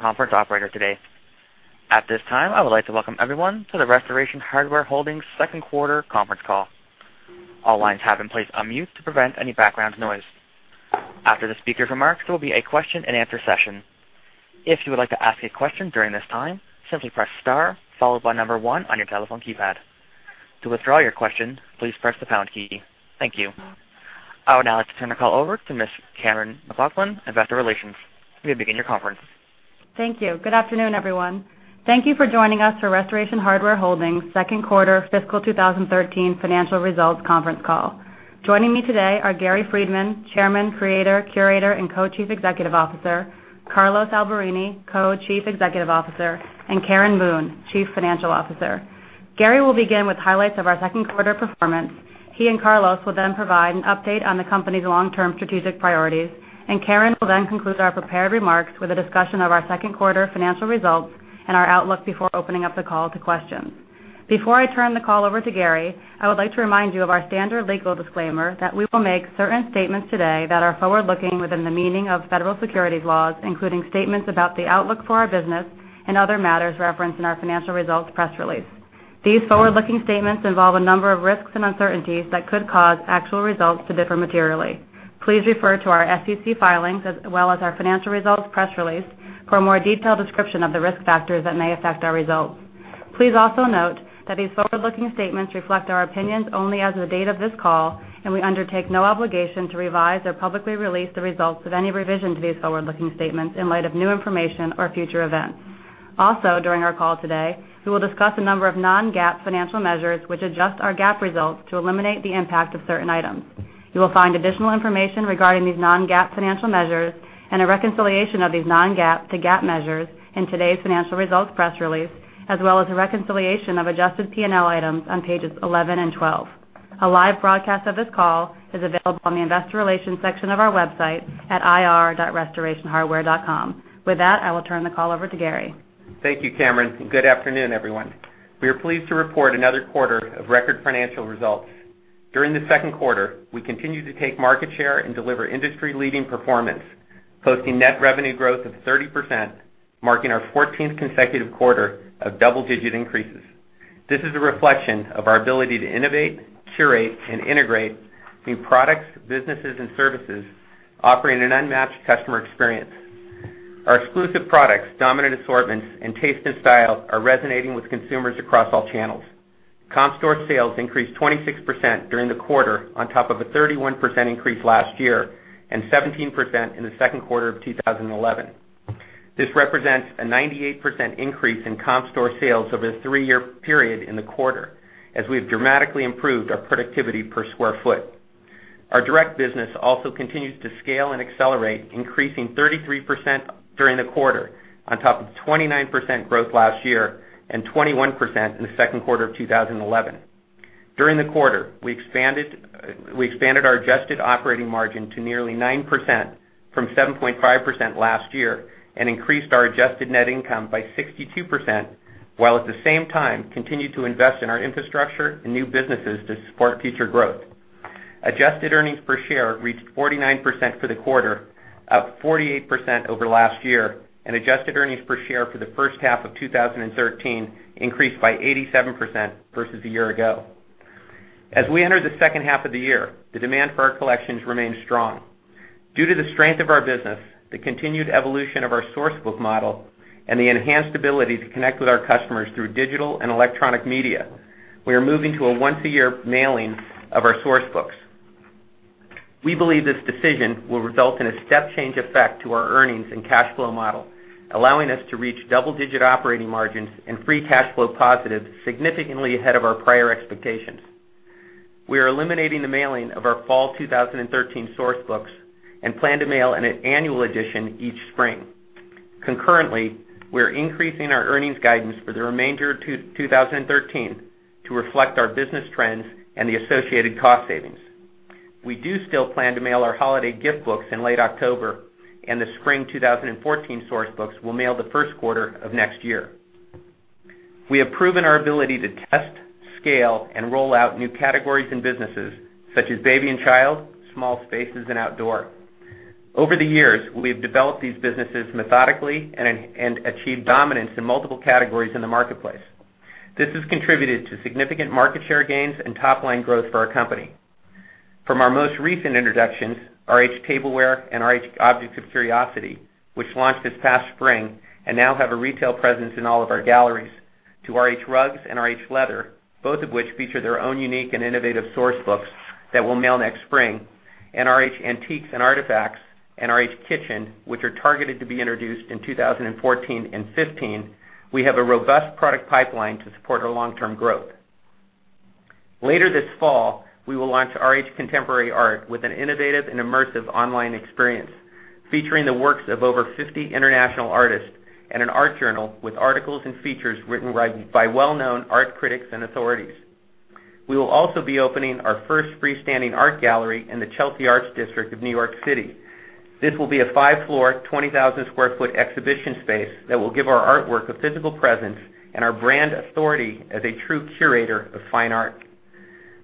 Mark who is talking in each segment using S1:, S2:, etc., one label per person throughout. S1: Conference operator today. At this time, I would like to welcome everyone to the Restoration Hardware Holdings second quarter conference call. All lines have in place unmute to prevent any background noise. After the speaker's remarks, there will be a question and answer session. If you would like to ask a question during this time, simply press star followed by number one on your telephone keypad. To withdraw your question, please press the pound key. Thank you. I would now like to turn the call over to Ms. Allison Malkin, investor relations. You may begin your conference.
S2: Thank you. Good afternoon, everyone. Thank you for joining us for Restoration Hardware Holdings second quarter fiscal 2013 financial results conference call. Joining me today are Gary Friedman, Chairman, Creator, Curator, and Co-Chief Executive Officer, Carlos Alberini, Co-Chief Executive Officer, and Karen Boone, Chief Financial Officer. Gary will begin with highlights of our second quarter performance. He and Carlos will then provide an update on the company's long-term strategic priorities. Karen will then conclude our prepared remarks with a discussion of our second quarter financial results and our outlook before opening up the call to questions. Before I turn the call over to Gary, I would like to remind you of our standard legal disclaimer that we will make certain statements today that are forward-looking within the meaning of Federal Securities laws, including statements about the outlook for our business and other matters referenced in our financial results press release. These forward-looking statements involve a number of risks and uncertainties that could cause actual results to differ materially. Please refer to our SEC filings as well as our financial results press release for a more detailed description of the risk factors that may affect our results. Please also note that these forward-looking statements reflect our opinions only as of the date of this call. We undertake no obligation to revise or publicly release the results of any revision to these forward-looking statements in light of new information or future events. Also, during our call today, we will discuss a number of non-GAAP financial measures, which adjust our GAAP results to eliminate the impact of certain items. You will find additional information regarding these non-GAAP financial measures and a reconciliation of these non-GAAP to GAAP measures in today's financial results press release, as well as a reconciliation of adjusted P&L items on pages 11 and 12. A live broadcast of this call is available on the investor relations section of our website at ir.rh.com. With that, I will turn the call over to Gary.
S3: Thank you, Karen. Good afternoon, everyone. We are pleased to report another quarter of record financial results. During the second quarter, we continued to take market share and deliver industry-leading performance, posting net revenue growth of 30%, marking our 14th consecutive quarter of double-digit increases. This is a reflection of our ability to innovate, curate, and integrate new products, businesses, and services, offering an unmatched customer experience. Our exclusive products, dominant assortments, and taste and style are resonating with consumers across all channels. Comp store sales increased 26% during the quarter on top of a 31% increase last year and 17% in the second quarter of 2011. This represents a 98% increase in comp store sales over the three-year period in the quarter, as we have dramatically improved our productivity per square foot. Our direct business also continues to scale and accelerate, increasing 33% during the quarter, on top of 29% growth last year and 21% in the second quarter of 2011. During the quarter, we expanded our adjusted operating margin to nearly 9% from 7.5% last year and increased our adjusted net income by 62%, while at the same time continued to invest in our infrastructure and new businesses to support future growth. Adjusted earnings per share reached $0.49 for the quarter, up 48% over last year, and adjusted earnings per share for the first half of 2013 increased by 87% versus a year ago. As we enter the second half of the year, the demand for our collections remains strong. Due to the strength of our business, the continued evolution of our Source Book model, and the enhanced ability to connect with our customers through digital and electronic media, we are moving to a once-a-year mailing of our Source Books. We believe this decision will result in a step change effect to our earnings and cash flow model, allowing us to reach double-digit operating margins and free cash flow positives significantly ahead of our prior expectations. We are eliminating the mailing of our Fall 2013 Source Books and plan to mail an annual edition each spring. Concurrently, we are increasing our earnings guidance for the remainder of 2013 to reflect our business trends and the associated cost savings. We do still plan to mail our holiday gift books in late October, and the Spring 2014 Source Books will mail the first quarter of next year. We have proven our ability to test, scale, and roll out new categories and businesses such as Baby & Child, Small Spaces, and Outdoor. Over the years, we have developed these businesses methodically and achieved dominance in multiple categories in the marketplace. This has contributed to significant market share gains and top-line growth for our company. From our most recent introductions, RH Tableware and RH Objects of Curiosity, which launched this past spring and now have a retail presence in all of our galleries, to RH Rugs and RH Leather, both of which feature their own unique and innovative Source Books that will mail next spring, and RH Antiques & Artifacts and RH Kitchen, which are targeted to be introduced in 2014 and 2015, we have a robust product pipeline to support our long-term growth. Later this fall, we will launch RH Contemporary Art with an innovative and immersive online experience featuring the works of over 50 international artists and an art journal with articles and features written by well-known art critics and authorities. We will also be opening our first freestanding art gallery in the Chelsea Arts District of New York City. This will be a five-floor, 20,000-square-foot exhibition space that will give our artwork a physical presence and our brand authority as a true curator of fine art.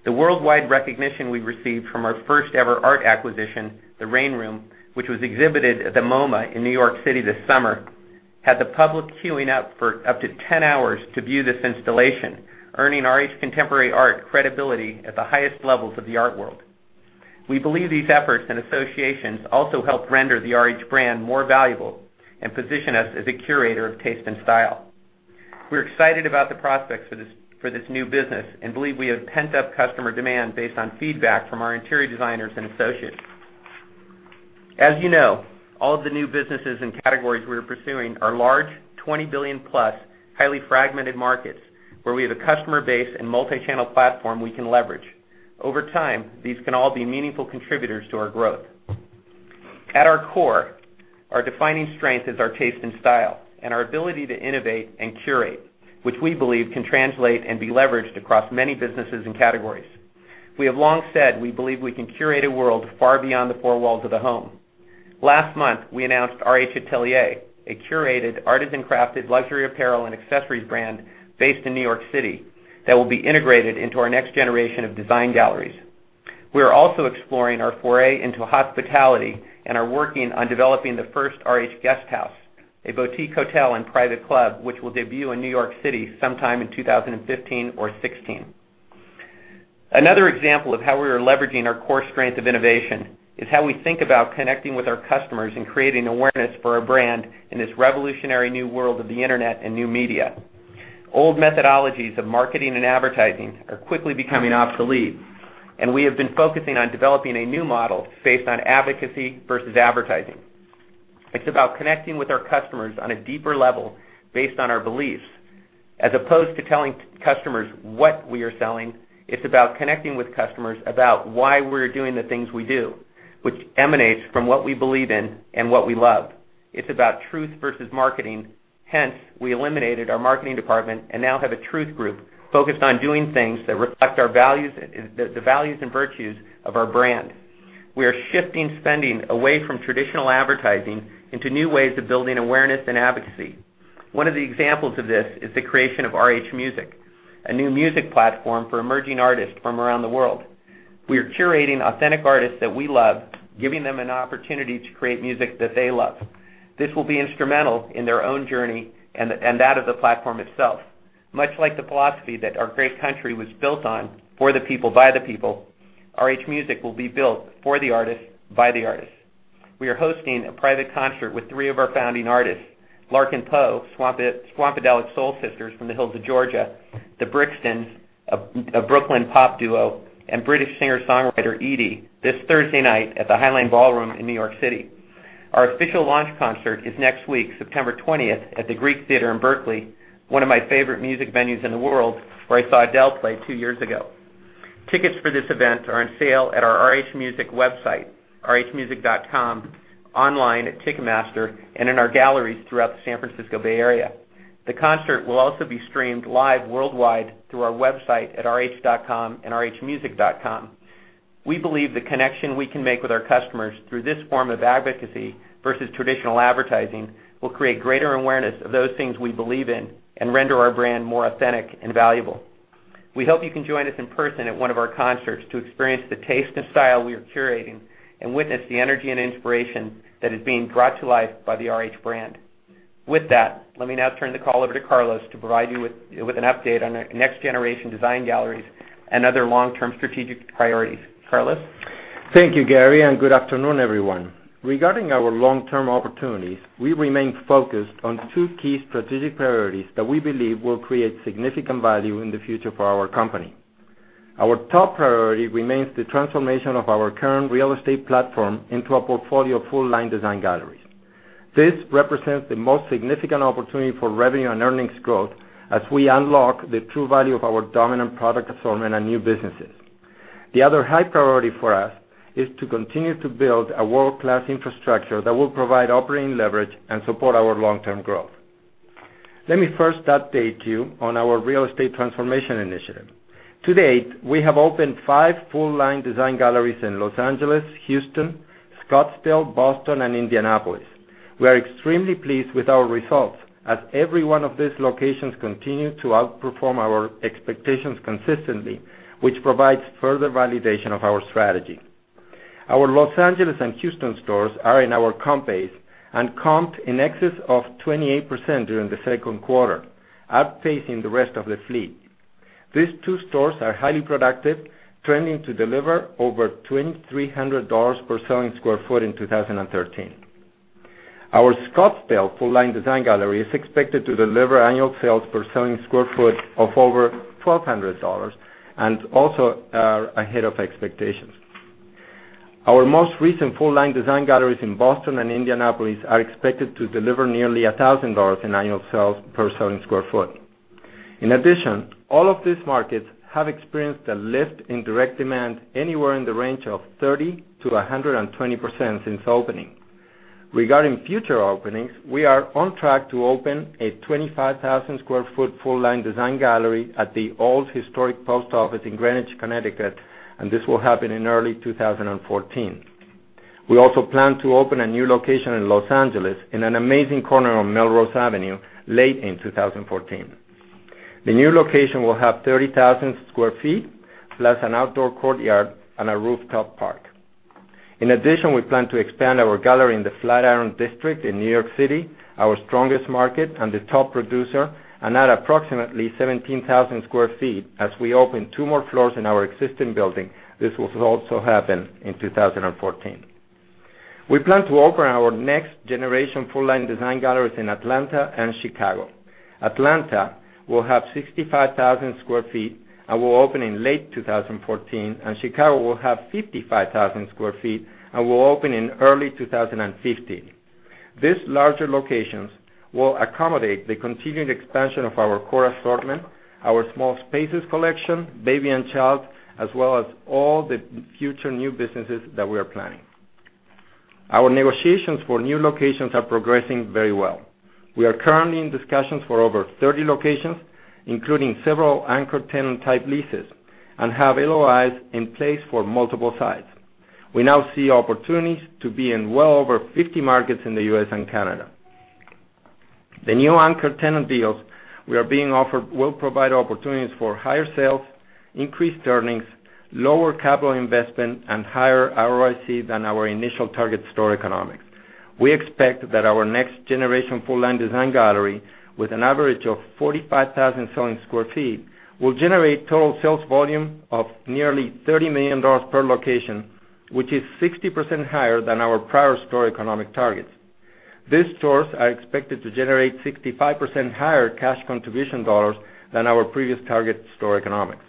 S3: The worldwide recognition we've received from our first-ever art acquisition, the Rain Room, which was exhibited at the MoMA in New York City this summer, had the public queuing up for up to 10 hours to view this installation, earning RH Contemporary Art credibility at the highest levels of the art world. We believe these efforts and associations also help render the RH brand more valuable and position us as a curator of taste and style. We're excited about the prospects for this new business and believe we have pent-up customer demand based on feedback from our interior designers and associates. As you know, all of the new businesses and categories we are pursuing are large, $20 billion-plus, highly fragmented markets where we have a customer base and multi-channel platform we can leverage. Over time, these can all be meaningful contributors to our growth. At our core, our defining strength is our taste in style and our ability to innovate and curate, which we believe can translate and be leveraged across many businesses and categories. We have long said we believe we can curate a world far beyond the four walls of the home. Last month, we announced RH Atelier, a curated, artisan-crafted luxury apparel and accessories brand based in New York City that will be integrated into our next generation of design galleries. We are also exploring our foray into hospitality and are working on developing the first RH Guesthouse, a boutique hotel and private club, which will debut in New York City sometime in 2015 or 2016. Another example of how we are leveraging our core strength of innovation is how we think about connecting with our customers and creating awareness for our brand in this revolutionary new world of the internet and new media. Old methodologies of marketing and advertising are quickly becoming obsolete. We have been focusing on developing a new model based on advocacy versus advertising. It's about connecting with our customers on a deeper level based on our beliefs. As opposed to telling customers what we are selling, it's about connecting with customers about why we're doing the things we do, which emanates from what we believe in and what we love. It's about truth versus marketing. Hence, we eliminated our marketing department and now have a truth group focused on doing things that reflect the values and virtues of our brand. We are shifting spending away from traditional advertising into new ways of building awareness and advocacy. One of the examples of this is the creation of RH Music, a new music platform for emerging artists from around the world. We are curating authentic artists that we love, giving them an opportunity to create music that they love. This will be instrumental in their own journey and that of the platform itself. Much like the philosophy that our great country was built on, for the people by the people, RH Music will be built for the artists by the artists. We are hosting a private concert with three of our founding artists, Larkin Poe, swampadelic soul sisters from the hills of Georgia, The Brixtons, a Brooklyn pop duo, and British singer-songwriter Edie, this Thursday night at the Highline Ballroom in New York City. Our official launch concert is next week, September 20th, at the Greek Theatre in Berkeley, one of my favorite music venues in the world, where I saw Adele play two years ago. Tickets for this event are on sale at our RH Music website, rhmusic.com, online at Ticketmaster, and in our galleries throughout the San Francisco Bay Area. The concert will also be streamed live worldwide through our website at rh.com and rhmusic.com. We believe the connection we can make with our customers through this form of advocacy versus traditional advertising will create greater awareness of those things we believe in and render our brand more authentic and valuable. We hope you can join us in person at one of our concerts to experience the taste and style we are curating and witness the energy and inspiration that is being brought to life by the RH brand. With that, let me now turn the call over to Carlos to provide you with an update on our next-generation design galleries and other long-term strategic priorities. Carlos?
S4: Thank you, Gary, and good afternoon, everyone. Regarding our long-term opportunities, we remain focused on two key strategic priorities that we believe will create significant value in the future for our company. Our top priority remains the transformation of our current real estate platform into a portfolio of full-line design galleries. This represents the most significant opportunity for revenue and earnings growth as we unlock the true value of our dominant product assortment and new businesses. The other high priority for us is to continue to build a world-class infrastructure that will provide operating leverage and support our long-term growth. Let me first update you on our real estate transformation initiative. To date, we have opened five full-line design galleries in Los Angeles, Houston, Scottsdale, Boston, and Indianapolis. We are extremely pleased with our results, as every one of these locations continue to outperform our expectations consistently, which provides further validation of our strategy. Our Los Angeles and Houston stores are in our comp base and comped in excess of 28% during the second quarter, outpacing the rest of the fleet. These two stores are highly productive, trending to deliver over $2,300 per selling square foot in 2013. Our Scottsdale full-line design gallery is expected to deliver annual sales per selling square foot of over $1,200 and also are ahead of expectations. Our most recent full-line design galleries in Boston and Indianapolis are expected to deliver nearly $1,000 in annual sales per selling square foot. In addition, all of these markets have experienced a lift in direct demand anywhere in the range of 30%-120% since opening. Regarding future openings, we are on track to open a 25,000-square-foot full-line design gallery at the old historic post office in Greenwich, Connecticut, this will happen in early 2014. We also plan to open a new location in Los Angeles in an amazing corner on Melrose Avenue late in 2014. The new location will have 30,000 square feet, plus an outdoor courtyard and a rooftop park. In addition, we plan to expand our gallery in the Flatiron District in New York City, our strongest market and the top producer, and add approximately 17,000 square feet as we open two more floors in our existing building. This will also happen in 2014. We plan to open our next generation full-line design galleries in Atlanta and Chicago. Atlanta will have 65,000 square feet and will open in late 2014. Chicago will have 55,000 square feet and will open in early 2015. These larger locations will accommodate the continued expansion of our core assortment, our Small Spaces collection, Baby & Child, as well as all the future new businesses that we are planning. Our negotiations for new locations are progressing very well. We are currently in discussions for over 30 locations, including several anchor tenant type leases. Have LOIs in place for multiple sites. We now see opportunities to be in well over 50 markets in the U.S. and Canada. The new anchor tenant deals we are being offered will provide opportunities for higher sales, increased earnings, lower capital investment, and higher ROIC than our initial target store economics. We expect that our next generation full-line design gallery, with an average of 45,000 selling square feet, will generate total sales volume of nearly $30 million per location, which is 60% higher than our prior store economic targets. These stores are expected to generate 65% higher cash contribution dollars than our previous target store economics.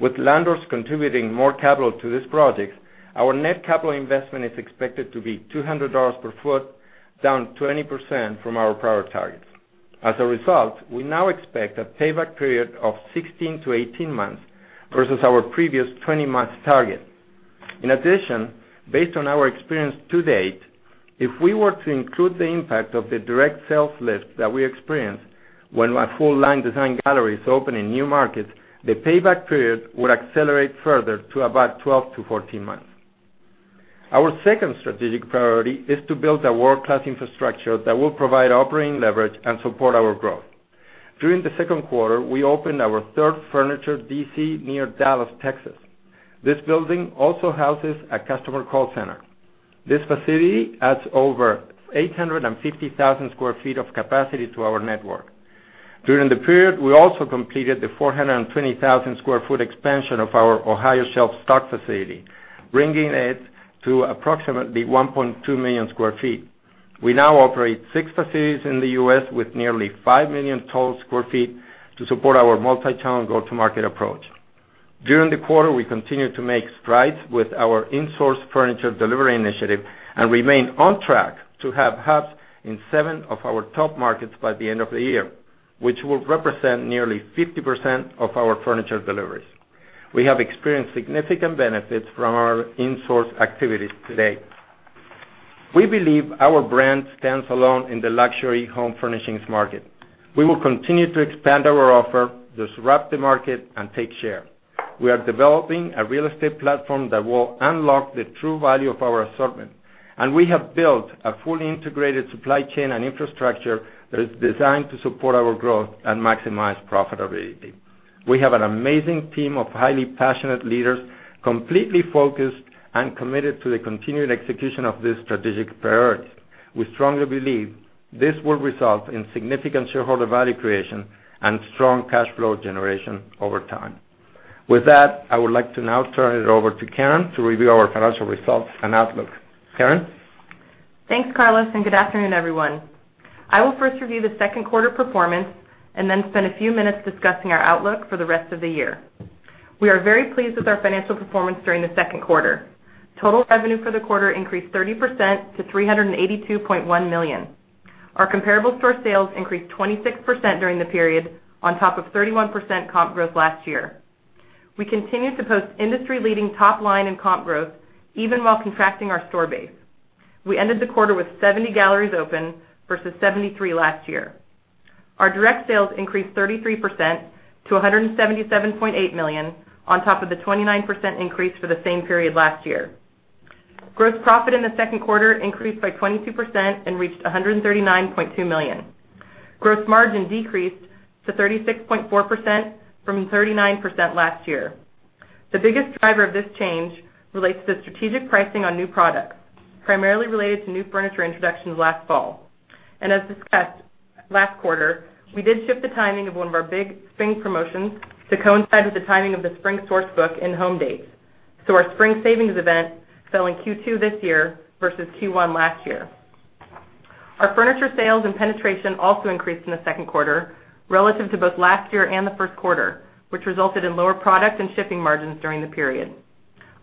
S4: With landlords contributing more capital to this project, our net capital investment is expected to be $200 per foot, down 20% from our prior targets. As a result, we now expect a payback period of 16-18 months versus our previous 20 months target. In addition, based on our experience to date, if we were to include the impact of the direct sales lift that we experience when our full-line design gallery is open in new markets, the payback period would accelerate further to about 12-14 months. Our second strategic priority is to build a world-class infrastructure that will provide operating leverage and support our growth. During the second quarter, we opened our third furniture DC near Dallas, Texas. This building also houses a customer call center. This facility adds over 850,000 square feet of capacity to our network. During the period, we also completed the 420,000 square foot expansion of our Ohio shelf stock facility, bringing it to approximately 1.2 million square feet. We now operate six facilities in the U.S. with nearly five million total square feet to support our multi-channel go-to-market approach. During the quarter, we continued to make strides with our in-source furniture delivery initiative and remain on track to have hubs in seven of our top markets by the end of the year, which will represent nearly 50% of our furniture deliveries. We have experienced significant benefits from our in-source activities to date. We believe our brand stands alone in the luxury home furnishings market. We will continue to expand our offer, disrupt the market, and take share. We are developing a real estate platform that will unlock the true value of our assortment, and we have built a fully integrated supply chain and infrastructure that is designed to support our growth and maximize profitability. We have an amazing team of highly passionate leaders, completely focused and committed to the continued execution of these strategic priorities. We strongly believe this will result in significant shareholder value creation and strong cash flow generation over time. With that, I would like to now turn it over to Karen to review our financial results and outlook. Karen?
S5: Thanks, Carlos. Good afternoon, everyone. I will first review the second quarter performance and then spend a few minutes discussing our outlook for the rest of the year. We are very pleased with our financial performance during the second quarter. Total revenue for the quarter increased 30% to $382.1 million. Our comparable store sales increased 26% during the period, on top of 31% comp growth last year. We continue to post industry-leading top line and comp growth even while contracting our store base. We ended the quarter with 70 galleries open versus 73 last year. Our direct sales increased 33% to $177.8 million, on top of the 29% increase for the same period last year. Gross profit in the second quarter increased by 22% and reached $139.2 million. Gross margin decreased to 36.4% from 39% last year. The biggest driver of this change relates to strategic pricing on new products, primarily related to new furniture introductions last fall. As discussed last quarter, we did shift the timing of one of our big spring promotions to coincide with the timing of the Spring Source Book in-home dates. Our spring savings event fell in Q2 this year versus Q1 last year. Our furniture sales and penetration also increased in the second quarter relative to both last year and the first quarter, which resulted in lower product and shipping margins during the period.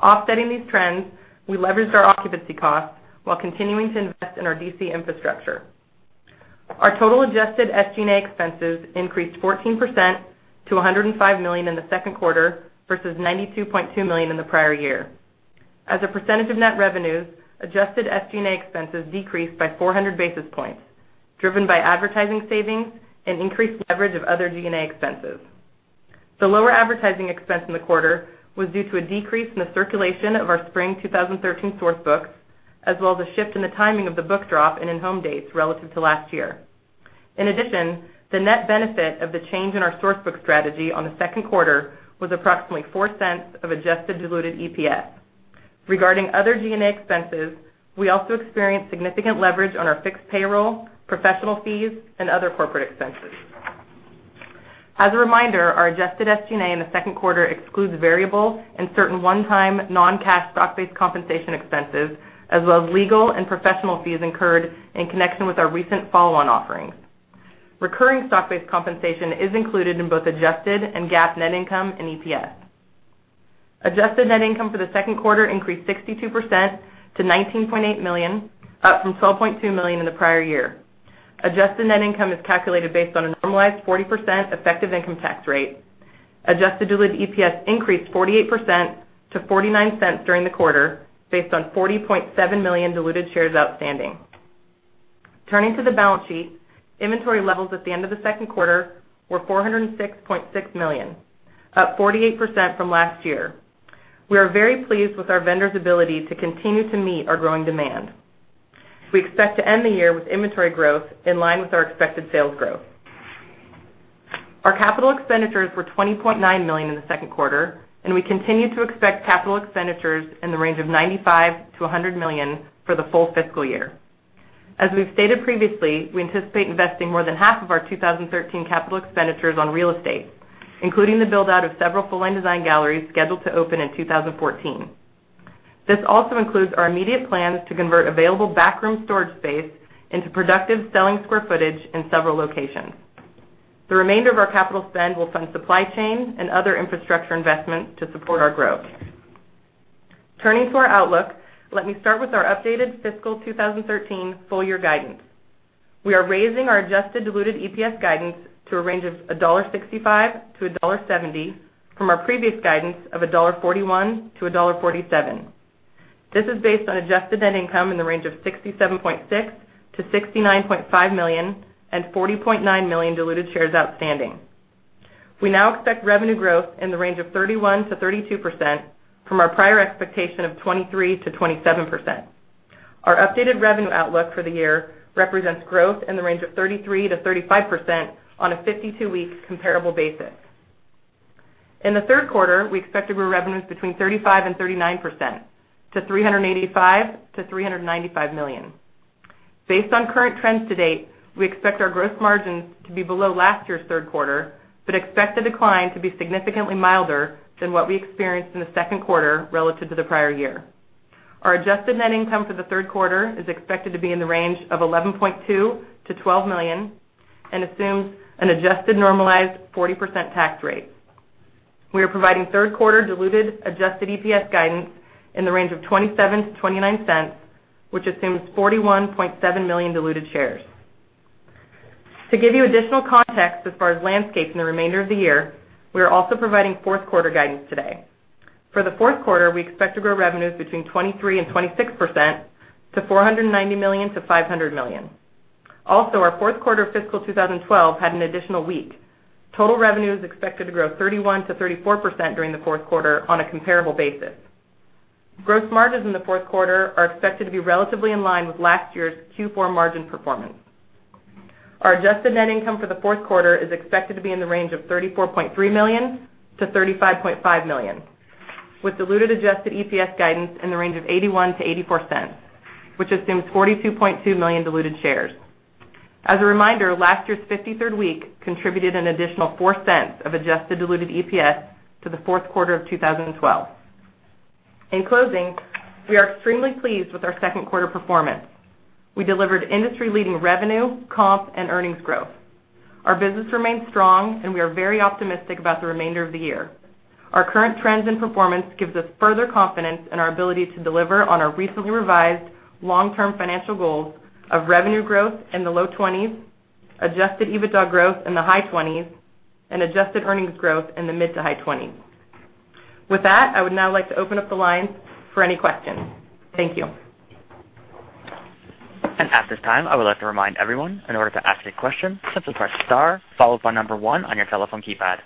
S5: Offsetting these trends, we leveraged our occupancy costs while continuing to invest in our DC infrastructure. Our total adjusted SG&A expenses increased 14% to $105 million in the second quarter versus $92.2 million in the prior year. As a percentage of net revenues, adjusted SG&A expenses decreased by 400 basis points, driven by advertising savings and increased leverage of other G&A expenses. The lower advertising expense in the quarter was due to a decrease in the circulation of our Spring 2013 Source Books, as well as a shift in the timing of the book drop and in-home dates relative to last year. In addition, the net benefit of the change in our Source Book strategy on the second quarter was approximately $0.04 of adjusted diluted EPS. Regarding other G&A expenses, we also experienced significant leverage on our fixed payroll, professional fees, and other corporate expenses. As a reminder, our adjusted SG&A in the second quarter excludes variable and certain one-time non-cash stock-based compensation expenses, as well as legal and professional fees incurred in connection with our recent follow-on offerings. Recurring stock-based compensation is included in both adjusted and GAAP net income and EPS. Adjusted net income for the second quarter increased 62% to $19.8 million, up from $12.2 million in the prior year. Adjusted net income is calculated based on a normalized 40% effective income tax rate. Adjusted diluted EPS increased 48% to $0.49 during the quarter, based on 40.7 million diluted shares outstanding. Turning to the balance sheet, inventory levels at the end of the second quarter were $406.6 million, up 48% from last year. We are very pleased with our vendors' ability to continue to meet our growing demand. We expect to end the year with inventory growth in line with our expected sales growth. Our capital expenditures were $20.9 million in the second quarter, and we continue to expect capital expenditures in the range of $95 million-$100 million for the full fiscal year. As we've stated previously, we anticipate investing more than half of our 2013 capital expenditures on real estate, including the build-out of several full-line design galleries scheduled to open in 2014. This also includes our immediate plans to convert available backroom storage space into productive selling square footage in several locations. The remainder of our capital spend will fund supply chain and other infrastructure investments to support our growth. Turning to our outlook, let me start with our updated fiscal 2013 full-year guidance. We are raising our adjusted diluted EPS guidance to a range of $1.65-$1.70 from our previous guidance of $1.41-$1.47. This is based on adjusted net income in the range of $67.6 million-$69.5 million and 40.9 million diluted shares outstanding. We now expect revenue growth in the range of 31%-32% from our prior expectation of 23%-27%. Our updated revenue outlook for the year represents growth in the range of 33%-35% on a 52-week comparable basis. In the third quarter, we expect to grow revenues between 35% and 39%, to $385 million-$395 million. Based on current trends to date, we expect our gross margins to be below last year's third quarter, but expect the decline to be significantly milder than what we experienced in the second quarter relative to the prior year. Our adjusted net income for the third quarter is expected to be in the range of $11.2 million-$12 million and assumes an adjusted normalized 40% tax rate. We are providing third quarter diluted adjusted EPS guidance in the range of $0.27-$0.29, which assumes 41.7 million diluted shares. To give you additional context as far as landscape in the remainder of the year, we are also providing fourth quarter guidance today. For the fourth quarter, we expect to grow revenues between 23% and 26%, to $490 million-$500 million. Also, our fourth quarter fiscal 2012 had an additional week. Total revenue is expected to grow 31%-34% during the fourth quarter on a comparable basis. Gross margins in the fourth quarter are expected to be relatively in line with last year's Q4 margin performance. Our adjusted net income for the fourth quarter is expected to be in the range of $34.3 million-$35.5 million, with diluted adjusted EPS guidance in the range of $0.81-$0.84, which assumes 42.2 million diluted shares. As a reminder, last year's 53rd week contributed an additional $0.04 of adjusted diluted EPS to the fourth quarter of 2012. In closing, we are extremely pleased with our second quarter performance. We delivered industry-leading revenue, comp, and earnings growth. Our business remains strong, and we are very optimistic about the remainder of the year. Our current trends and performance gives us further confidence in our ability to deliver on our recently revised long-term financial goals of revenue growth in the low 20s%, adjusted EBITDA growth in the high 20s%, and adjusted earnings growth in the mid to high 20s%. With that, I would now like to open up the line for any questions. Thank you.
S1: At this time, I would like to remind everyone, in order to ask a question, simply press star followed by number one on your telephone keypad.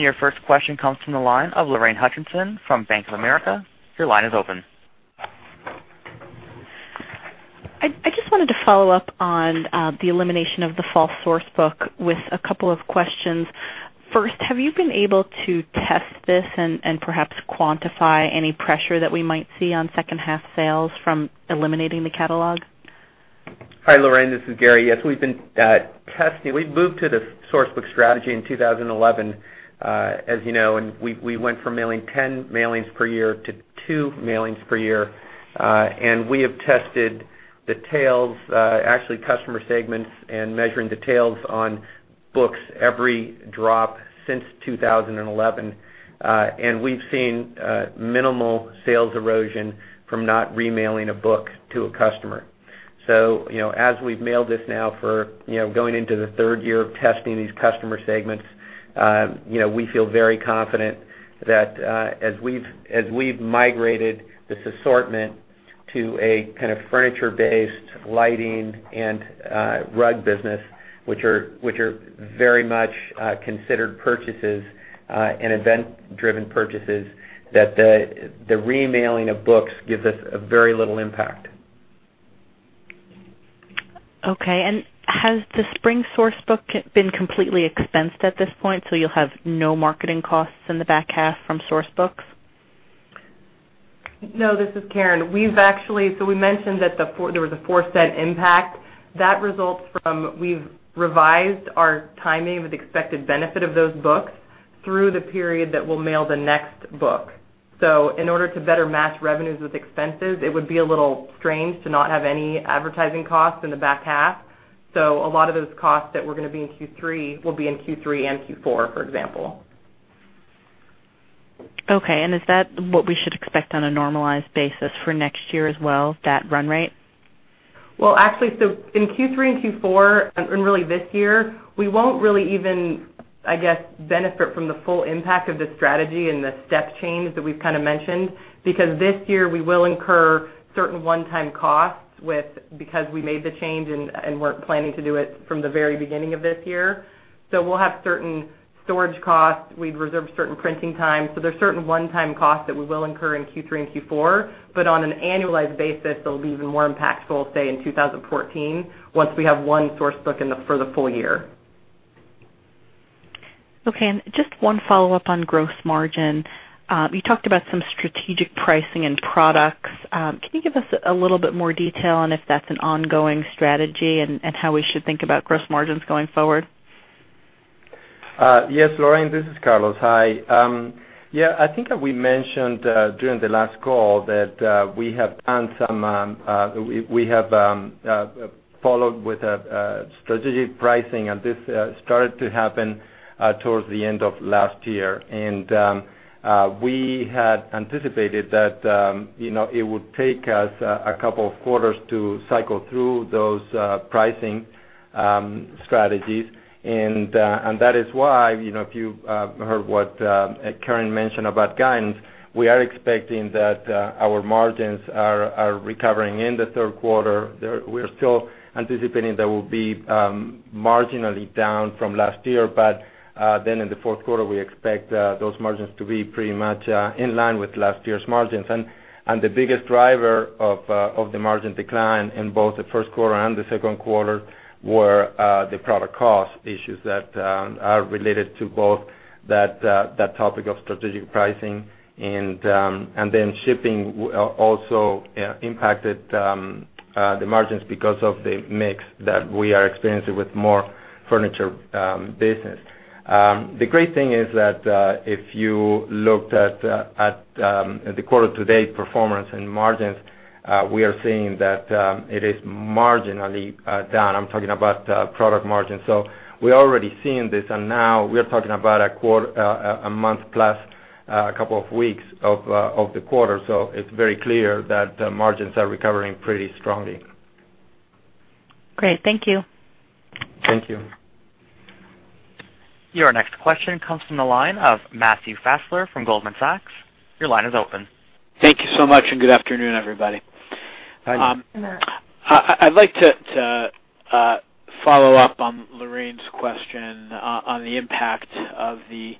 S1: Your first question comes from the line of Lorraine Hutchinson from Bank of America. Your line is open.
S6: I just wanted to follow up on the elimination of the fall Source Book with a couple of questions. First, have you been able to test this and perhaps quantify any pressure that we might see on second half sales from eliminating the catalog?
S3: Hi, Lorraine. This is Gary. Yes, we've been testing. We moved to the Source Book strategy in 2011, as you know, and we went from mailing 10 mailings per year to two mailings per year. We have tested the tails, actually customer segments and measuring the tails on books every drop since 2011. We've seen minimal sales erosion from not remailing a book to a customer. As we've mailed this now for going into the third year of testing these customer segments, we feel very confident that as we've migrated this assortment to a kind of furniture-based lighting and rug business, which are very much considered purchases and event-driven purchases, that the remailing of books gives us a very little impact.
S6: Okay. Has the spring Source Book been completely expensed at this point, so you'll have no marketing costs in the back half from Source Books?
S5: No, this is Karen. We mentioned that there was a $0.04 impact. That results from, we've revised our timing of the expected benefit of those books through the period that we'll mail the next book. In order to better match revenues with expenses, it would be a little strange to not have any advertising costs in the back half. A lot of those costs that were going to be in Q3 will be in Q3 and Q4, for example.
S6: Okay. Is that what we should expect on a normalized basis for next year as well, that run rate?
S5: Well, actually, in Q3 and Q4, and really this year, we won't really even, I guess, benefit from the full impact of the strategy and the step change that we've kind of mentioned. Because this year, we will incur certain one-time costs because we made the change and weren't planning to do it from the very beginning of this year. We'll have certain storage costs. We'd reserved certain printing time. There's certain one-time costs that we will incur in Q3 and Q4, but on an annualized basis, they'll be even more impactful, say, in 2014, once we have one Source Book for the full year.
S6: Okay. Just one follow-up on gross margin. You talked about some strategic pricing and products. Can you give us a little bit more detail on if that's an ongoing strategy and how we should think about gross margins going forward?
S4: Yes, Lorraine, this is Carlos Alberini. Hi. I think that we mentioned during the last call that we have followed with a strategic pricing, this started to happen towards the end of last year. We had anticipated that it would take us a couple of quarters to cycle through those pricing strategies. That is why, if you heard what Karen mentioned about guidance, we are expecting that our margins are recovering in the third quarter. We're still anticipating that we'll be marginally down from last year. In the fourth quarter, we expect those margins to be pretty much in line with last year's margins. The biggest driver of the margin decline in both the first quarter and the second quarter were the product cost issues that are related to both that topic of strategic pricing shipping also impacted the margins because of the mix that we are experiencing with more furniture business. The great thing is that if you looked at the quarter-to-date performance and margins, we are seeing that it is marginally down. I'm talking about product margins. We're already seeing this, now we're talking about a month plus a couple of weeks of the quarter. It's very clear that the margins are recovering pretty strongly.
S6: Great. Thank you.
S4: Thank you.
S1: Your next question comes from the line of Matthew Fassler from Goldman Sachs. Your line is open.
S7: Thank you so much, and good afternoon, everybody.
S4: Hi.
S5: Good afternoon.
S7: I'd like to follow up on Lorraine's question on the impact of the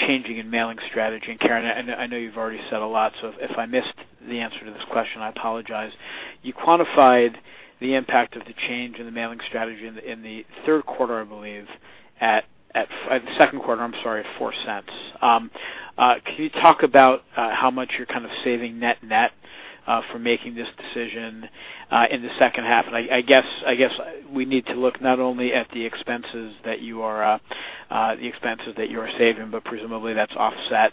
S7: changing and mailing strategy. Karen, I know you've already said a lot, if I missed the answer to this question, I apologize. You quantified the impact of the change in the mailing strategy in the third quarter, I believe, at the second quarter, I'm sorry, at $0.04. Can you talk about how much you're kind of saving net-net for making this decision in the second half? I guess we need to look not only at the expenses that you are saving, but presumably that's offset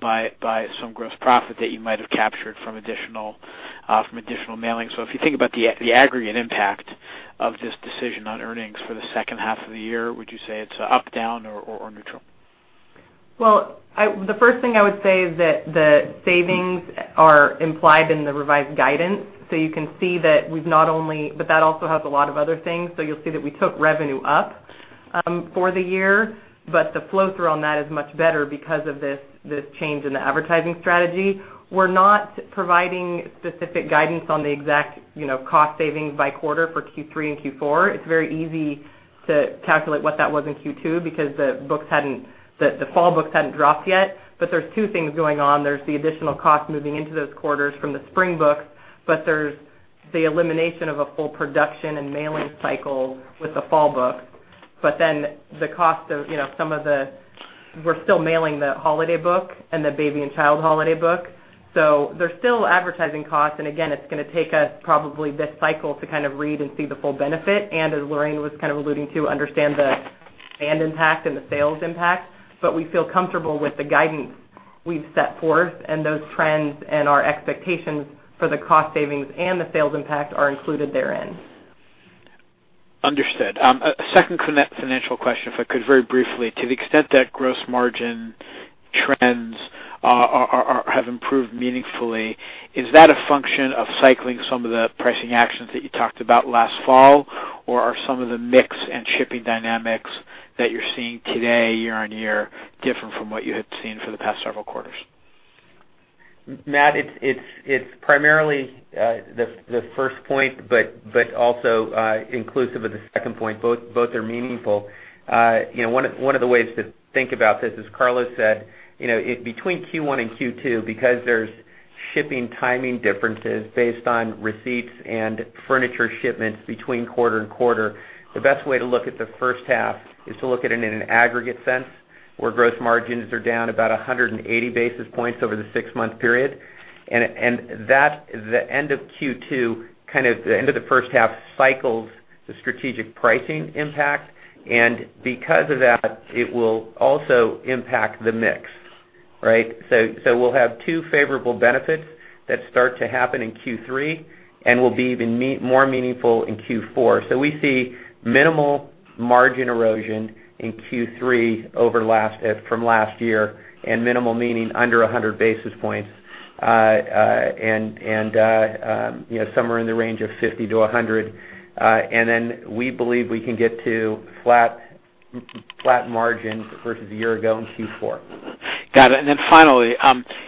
S7: by some gross profit that you might have captured from additional mailing. If you think about the aggregate impact of this decision on earnings for the second half of the year, would you say it's up, down, or neutral?
S5: The first thing I would say is that the savings are implied in the revised guidance. You can see that we've not only But that also has a lot of other things. You'll see that we took revenue up for the year, but the flow through on that is much better because of this change in the advertising strategy. We're not providing specific guidance on the exact cost savings by quarter for Q3 and Q4. It's very easy to calculate what that was in Q2 because the fall books hadn't dropped yet. There's two things going on. There's the additional cost moving into those quarters from the spring books, but there's the elimination of a full production and mailing cycle with the fall book. Then the cost of some of the We're still mailing the holiday book and the RH Baby & Child holiday book. There's still advertising costs. Again, it's going to take us probably this cycle to kind of read and see the full benefit. As Lorraine was kind of alluding to, understand the band impact and the sales impact. But we feel comfortable with the guidance we've set forth and those trends and our expectations for the cost savings and the sales impact are included therein.
S7: Understood. A second financial question, if I could very briefly. To the extent that gross margin trends have improved meaningfully, is that a function of cycling some of the pricing actions that you talked about last fall, or are some of the mix and shipping dynamics that you're seeing today year-on-year different from what you had seen for the past several quarters?
S3: Matt, it's primarily the first point, but also inclusive of the second point. Both are meaningful. One of the ways to think about this, as Carlos said, between Q1 and Q2, because there's shipping timing differences based on receipts and furniture shipments between quarter and quarter, the best way to look at the first half is to look at it in an aggregate sense, where gross margins are down about 180 basis points over the six-month period. The end of Q2, the end of the first half, cycles the strategic pricing impact. Because of that, it will also impact the mix. Right? We'll have two favorable benefits that start to happen in Q3 and will be even more meaningful in Q4. We see minimal margin erosion in Q3 from last year, and minimal meaning under 100 basis points, and somewhere in the range of 50-100 basis points. Then we believe we can get to flat margin versus a year ago in Q4.
S7: Got it. Then finally,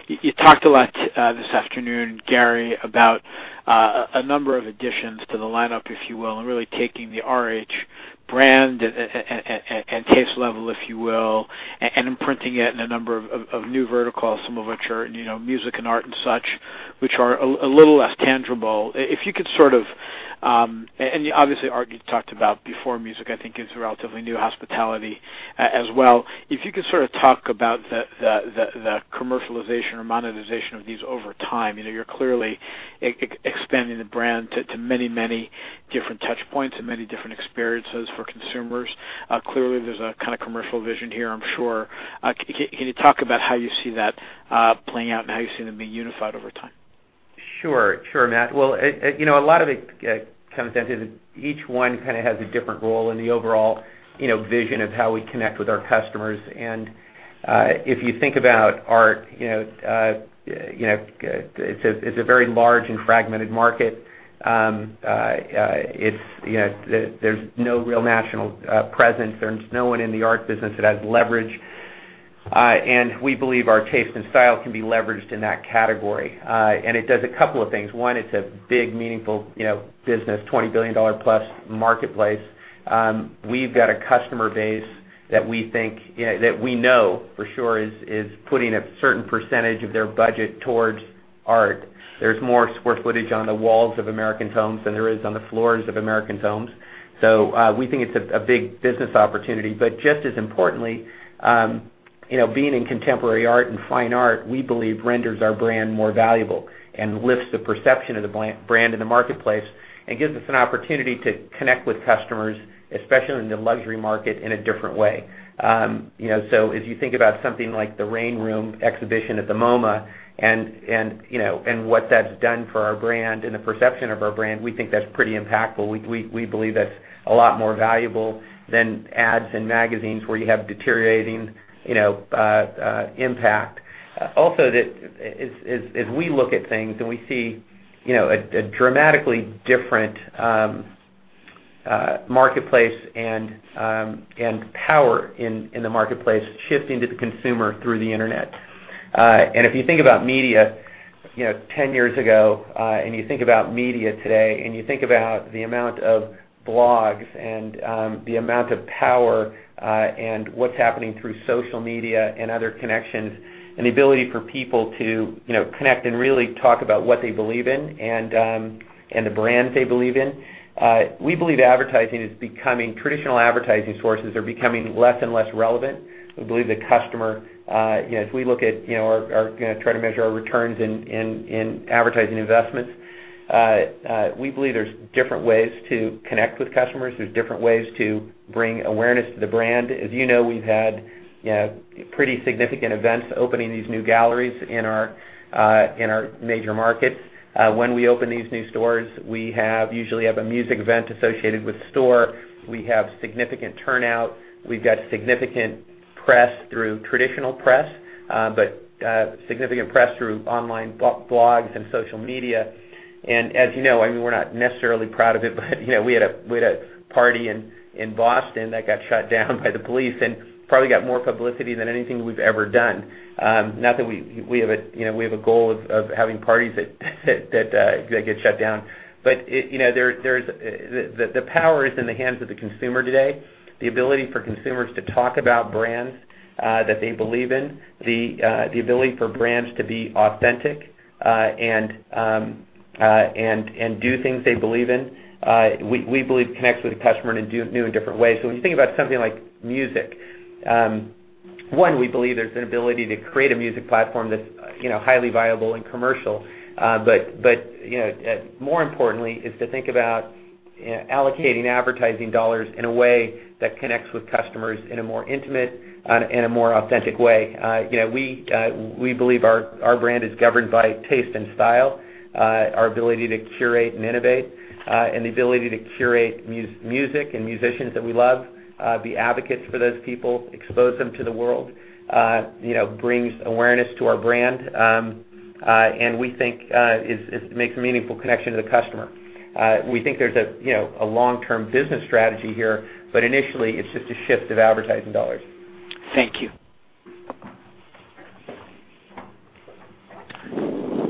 S7: you talked a lot this afternoon, Gary, about a number of additions to the lineup, if you will, and really taking the RH brand and taste level, if you will, and imprinting it in a number of new verticals, some of which are music and art and such, which are a little less tangible. Obviously, art, you talked about before music, I think is relatively new hospitality as well. If you could sort of talk about the commercialization or monetization of these over time, you're clearly expanding the brand to many different touch points and many different experiences for consumers. Clearly, there's a kind of commercial vision here, I'm sure. Can you talk about how you see that playing out and how you see them being unified over time?
S3: Sure, Matt. Well, a lot of it comes down to that each one has a different role in the overall vision of how we connect with our customers. If you think about art, it's a very large and fragmented market. There's no real national presence. There's no one in the art business that has leverage. We believe our taste and style can be leveraged in that category. It does a couple of things. One, it's a big, meaningful business, $20 billion+ marketplace. We've got a customer base that we know for sure is putting a certain percentage of their budget towards art. There's more square footage on the walls of Americans' homes than there is on the floors of Americans' homes. We think it's a big business opportunity. Being in contemporary art and fine art, we believe renders our brand more valuable and lifts the perception of the brand in the marketplace and gives us an opportunity to connect with customers, especially in the luxury market, in a different way. As you think about something like the Rain Room exhibition at the MoMA and what that's done for our brand and the perception of our brand, we think that's pretty impactful. We believe that's a lot more valuable than ads in magazines where you have deteriorating impact. Also, as we look at things and we see a dramatically different marketplace and power in the marketplace shifting to the consumer through the internet. If you think about media 10 years ago, and you think about media today, and you think about the amount of blogs and the amount of power and what's happening through social media and other connections, and the ability for people to connect and really talk about what they believe in and the brands they believe in, we believe traditional advertising sources are becoming less and less relevant. As we look at trying to measure our returns in advertising investments, we believe there's different ways to connect with customers. There's different ways to bring awareness to the brand. As you know, we've had pretty significant events opening these new galleries in our major markets. When we open these new stores, we usually have a music event associated with the store. We have significant turnout. We've got significant press through traditional press, but significant press through online blogs and social media. As you know, we're not necessarily proud of it, but we had a party in Boston that got shut down by the police and probably got more publicity than anything we've ever done. Not that we have a goal of having parties that get shut down. The power is in the hands of the consumer today. The ability for consumers to talk about brands that they believe in, the ability for brands to be authentic and do things they believe in, we believe connects with the customer in new and different ways. When you think about something like music, one, we believe there's an ability to create a music platform that's highly viable and commercial. More importantly is to think about allocating advertising dollars in a way that connects with customers in a more intimate and a more authentic way. We believe our brand is governed by taste and style, our ability to curate and innovate, and the ability to curate music and musicians that we love, be advocates for those people, expose them to the world, brings awareness to our brand, and we think makes a meaningful connection to the customer. We think there's a long-term business strategy here, but initially, it's just a shift of advertising dollars.
S7: Thank you.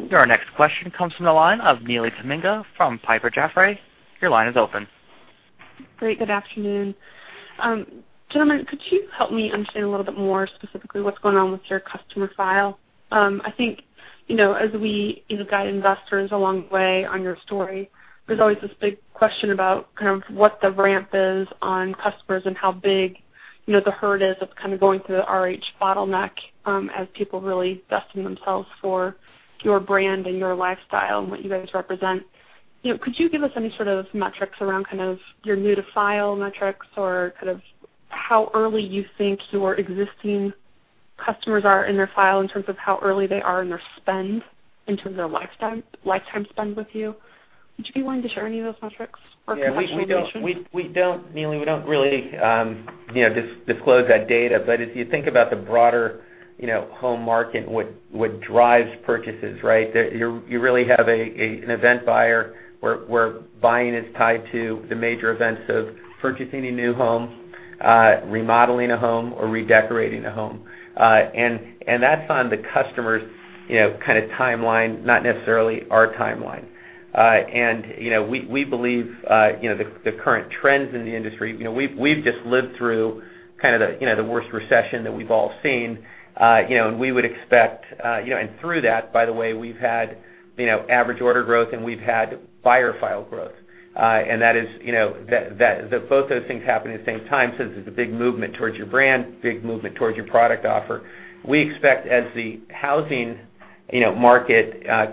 S1: Your next question comes from the line of Neely Tuminga from Piper Jaffray. Your line is open.
S8: Great. Good afternoon. Gentlemen, could you help me understand a little bit more specifically what's going on with your customer file? I think, as we guide investors along the way on your story, there's always this big question about what the ramp is on customers and how big the herd is of going through the RH bottleneck as people really vest in themselves for your brand and your lifestyle and what you guys represent. Could you give us any sort of metrics around your new-to-file metrics or how early you think your existing customers are in their file in terms of how early they are in their spend in terms of their lifetime spend with you? Would you be willing to share any of those metrics or a conceptual mention?
S3: Neely, we don't really disclose that data. If you think about the broader home market and what drives purchases, right? You really have an event buyer where buying is tied to the major events of purchasing a new home, remodeling a home or redecorating a home. That's on the customer's timeline, not necessarily our timeline. We believe the current trends in the industry, we've just lived through the worst recession that we've all seen. Through that, by the way, we've had average order growth, and we've had buyer file growth. Both those things happen at the same time, since it's a big movement towards your brand, big movement towards your product offer. We expect as the housing market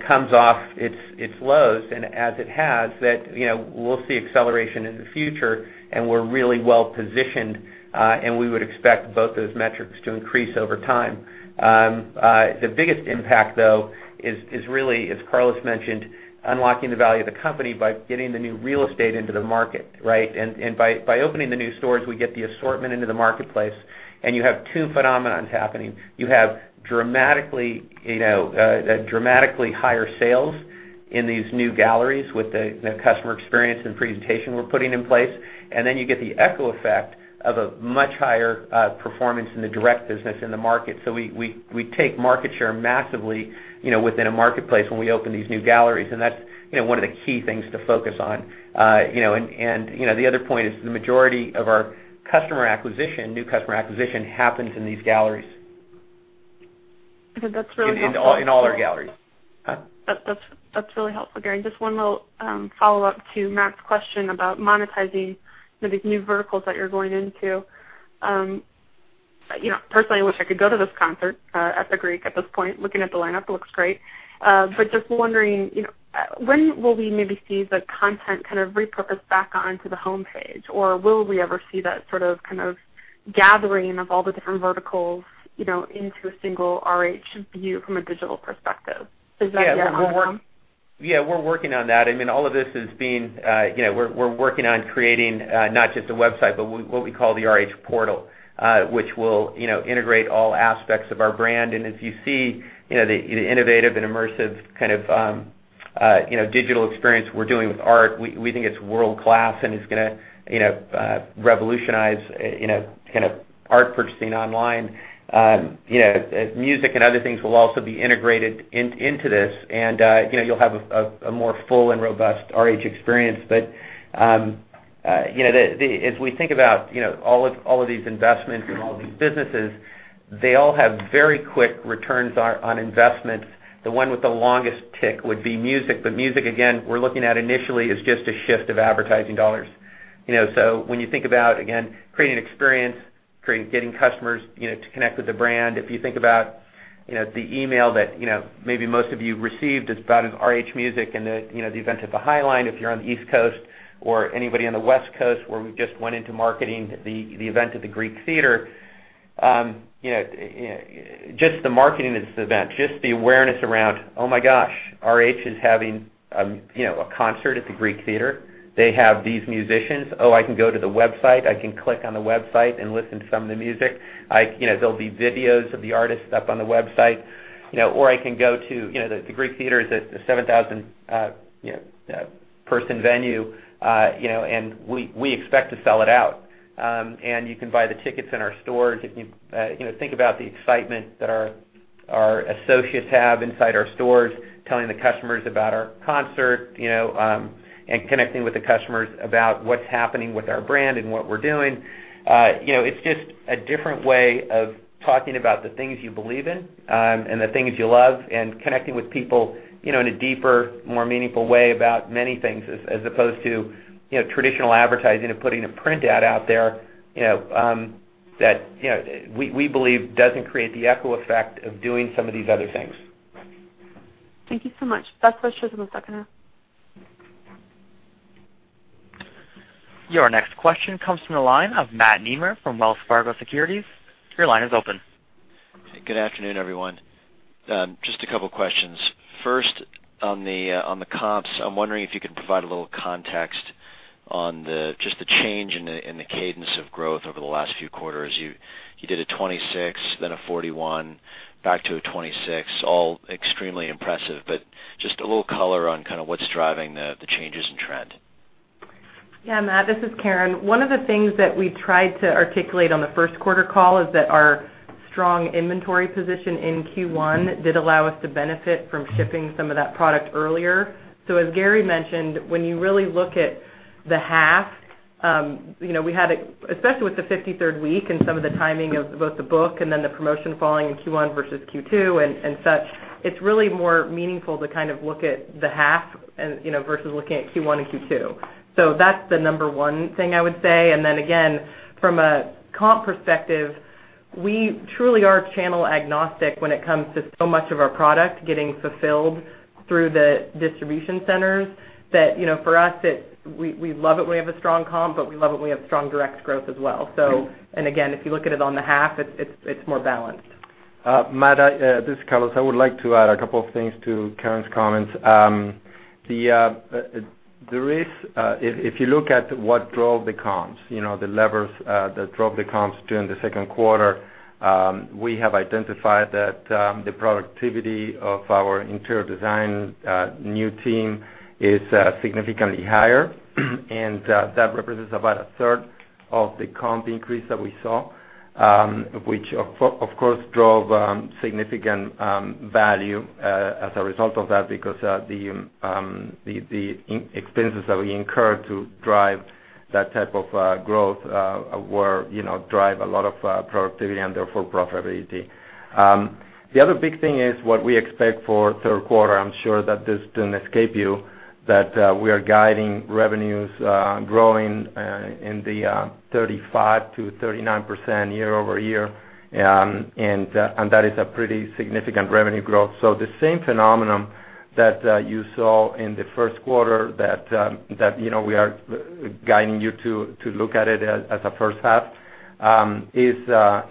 S3: comes off its lows and as it has, that we'll see acceleration in the future. We're really well-positioned. We would expect both those metrics to increase over time. The biggest impact, though, is really, as Carlos mentioned, unlocking the value of the company by getting the new real estate into the market, right? By opening the new stores, we get the assortment into the marketplace. You have two phenomenons happening. You have dramatically higher sales in these new galleries with the customer experience and presentation we're putting in place. You get the echo effect of a much higher performance in the direct business in the market. We take market share massively within a marketplace when we open these new galleries. That's one of the key things to focus on. The other point is the majority of our customer acquisition, new customer acquisition, happens in these galleries.
S8: That's really helpful.
S3: In all our galleries. Huh?
S8: That's really helpful, Gary. Just one little follow-up to Matt's question about monetizing these new verticals that you're going into. Personally, I wish I could go to this concert at The Greek at this point. Looking at the lineup, it looks great. Just wondering, when will we maybe see the content kind of repurposed back onto the home page? Will we ever see that sort of gathering of all the different verticals into a single RH view from a digital perspective? Is that on the horizon?
S3: Yeah, we're working on that. We're working on creating not just a website, but what we call the RH Portal, which will integrate all aspects of our brand. As you see, the innovative and immersive kind of digital experience we're doing with art, we think it's world-class, and it's going to revolutionize art purchasing online. Music and other things will also be integrated into this, and you'll have a more full and robust RH experience. As we think about all of these investments and all of these businesses, they all have very quick returns on investments. The one with the longest tick would be music, again, we're looking at initially as just a shift of advertising dollars. When you think about, again, creating experience, getting customers to connect with the brand, if you think about the email that maybe most of you received, it's about RH Music and the event at The High Line, if you're on the East Coast or anybody on the West Coast where we just went into marketing the event at the Greek Theatre. Just the marketing of this event, just the awareness around, "Oh, my gosh, RH is having a concert at the Greek Theatre. They have these musicians. Oh, I can go to the website. I can click on the website and listen to some of the music." There'll be videos of the artists up on the website. The Greek Theatre is a 7,000-person venue, and we expect to sell it out. You can buy the tickets in our stores. If you think about the excitement that our associates have inside our stores, telling the customers about our concert, and connecting with the customers about what's happening with our brand and what we're doing. It's just a different way of talking about the things you believe in and the things you love and connecting with people in a deeper, more meaningful way about many things, as opposed to traditional advertising of putting a print ad out there, that we believe doesn't create the echo effect of doing some of these other things.
S8: Thank you so much. Last question from the second half.
S1: Your next question comes from the line of Matt Nemer from Wells Fargo Securities. Your line is open.
S9: Good afternoon, everyone. Just a couple of questions. First, on the comps, I'm wondering if you could provide a little context on just the change in the cadence of growth over the last few quarters. You did a 26, then a 41, back to a 26, all extremely impressive, but just a little color on what's driving the changes in trend.
S5: Yeah, Matt, this is Karen. One of the things that we tried to articulate on the first quarter call is that our strong inventory position in Q1 did allow us to benefit from shipping some of that product earlier. As Gary mentioned, when you really look at the half, especially with the 53rd week and some of the timing of both the book and then the promotion falling in Q1 versus Q2 and such, it's really more meaningful to look at the half versus looking at Q1 and Q2. That's the number 1 thing I would say. Again, from a comp perspective, we truly are channel agnostic when it comes to so much of our product getting fulfilled through the distribution centers that for us, we love it when we have a strong comp, but we love it when we have strong direct growth as well.
S3: if you look at it on the half, it's more balanced.
S4: Matt, this is Carlos. I would like to add a couple of things to Karen's comments. If you look at what drove the comps, the levers that drove the comps during the second quarter, we have identified that the productivity of our interior design new team is significantly higher, that represents about a third of the comp increase that we saw, which of course drove significant value as a result of that because the expenses that we incurred to drive that type of growth drive a lot of productivity and therefore profitability. The other big thing is what we expect for third quarter. I'm sure that this didn't escape you, that we are guiding revenues growing in the 35%-39% year-over-year, that is a pretty significant revenue growth. The same phenomenon that you saw in the first quarter that we are guiding you to look at it as a first half, is,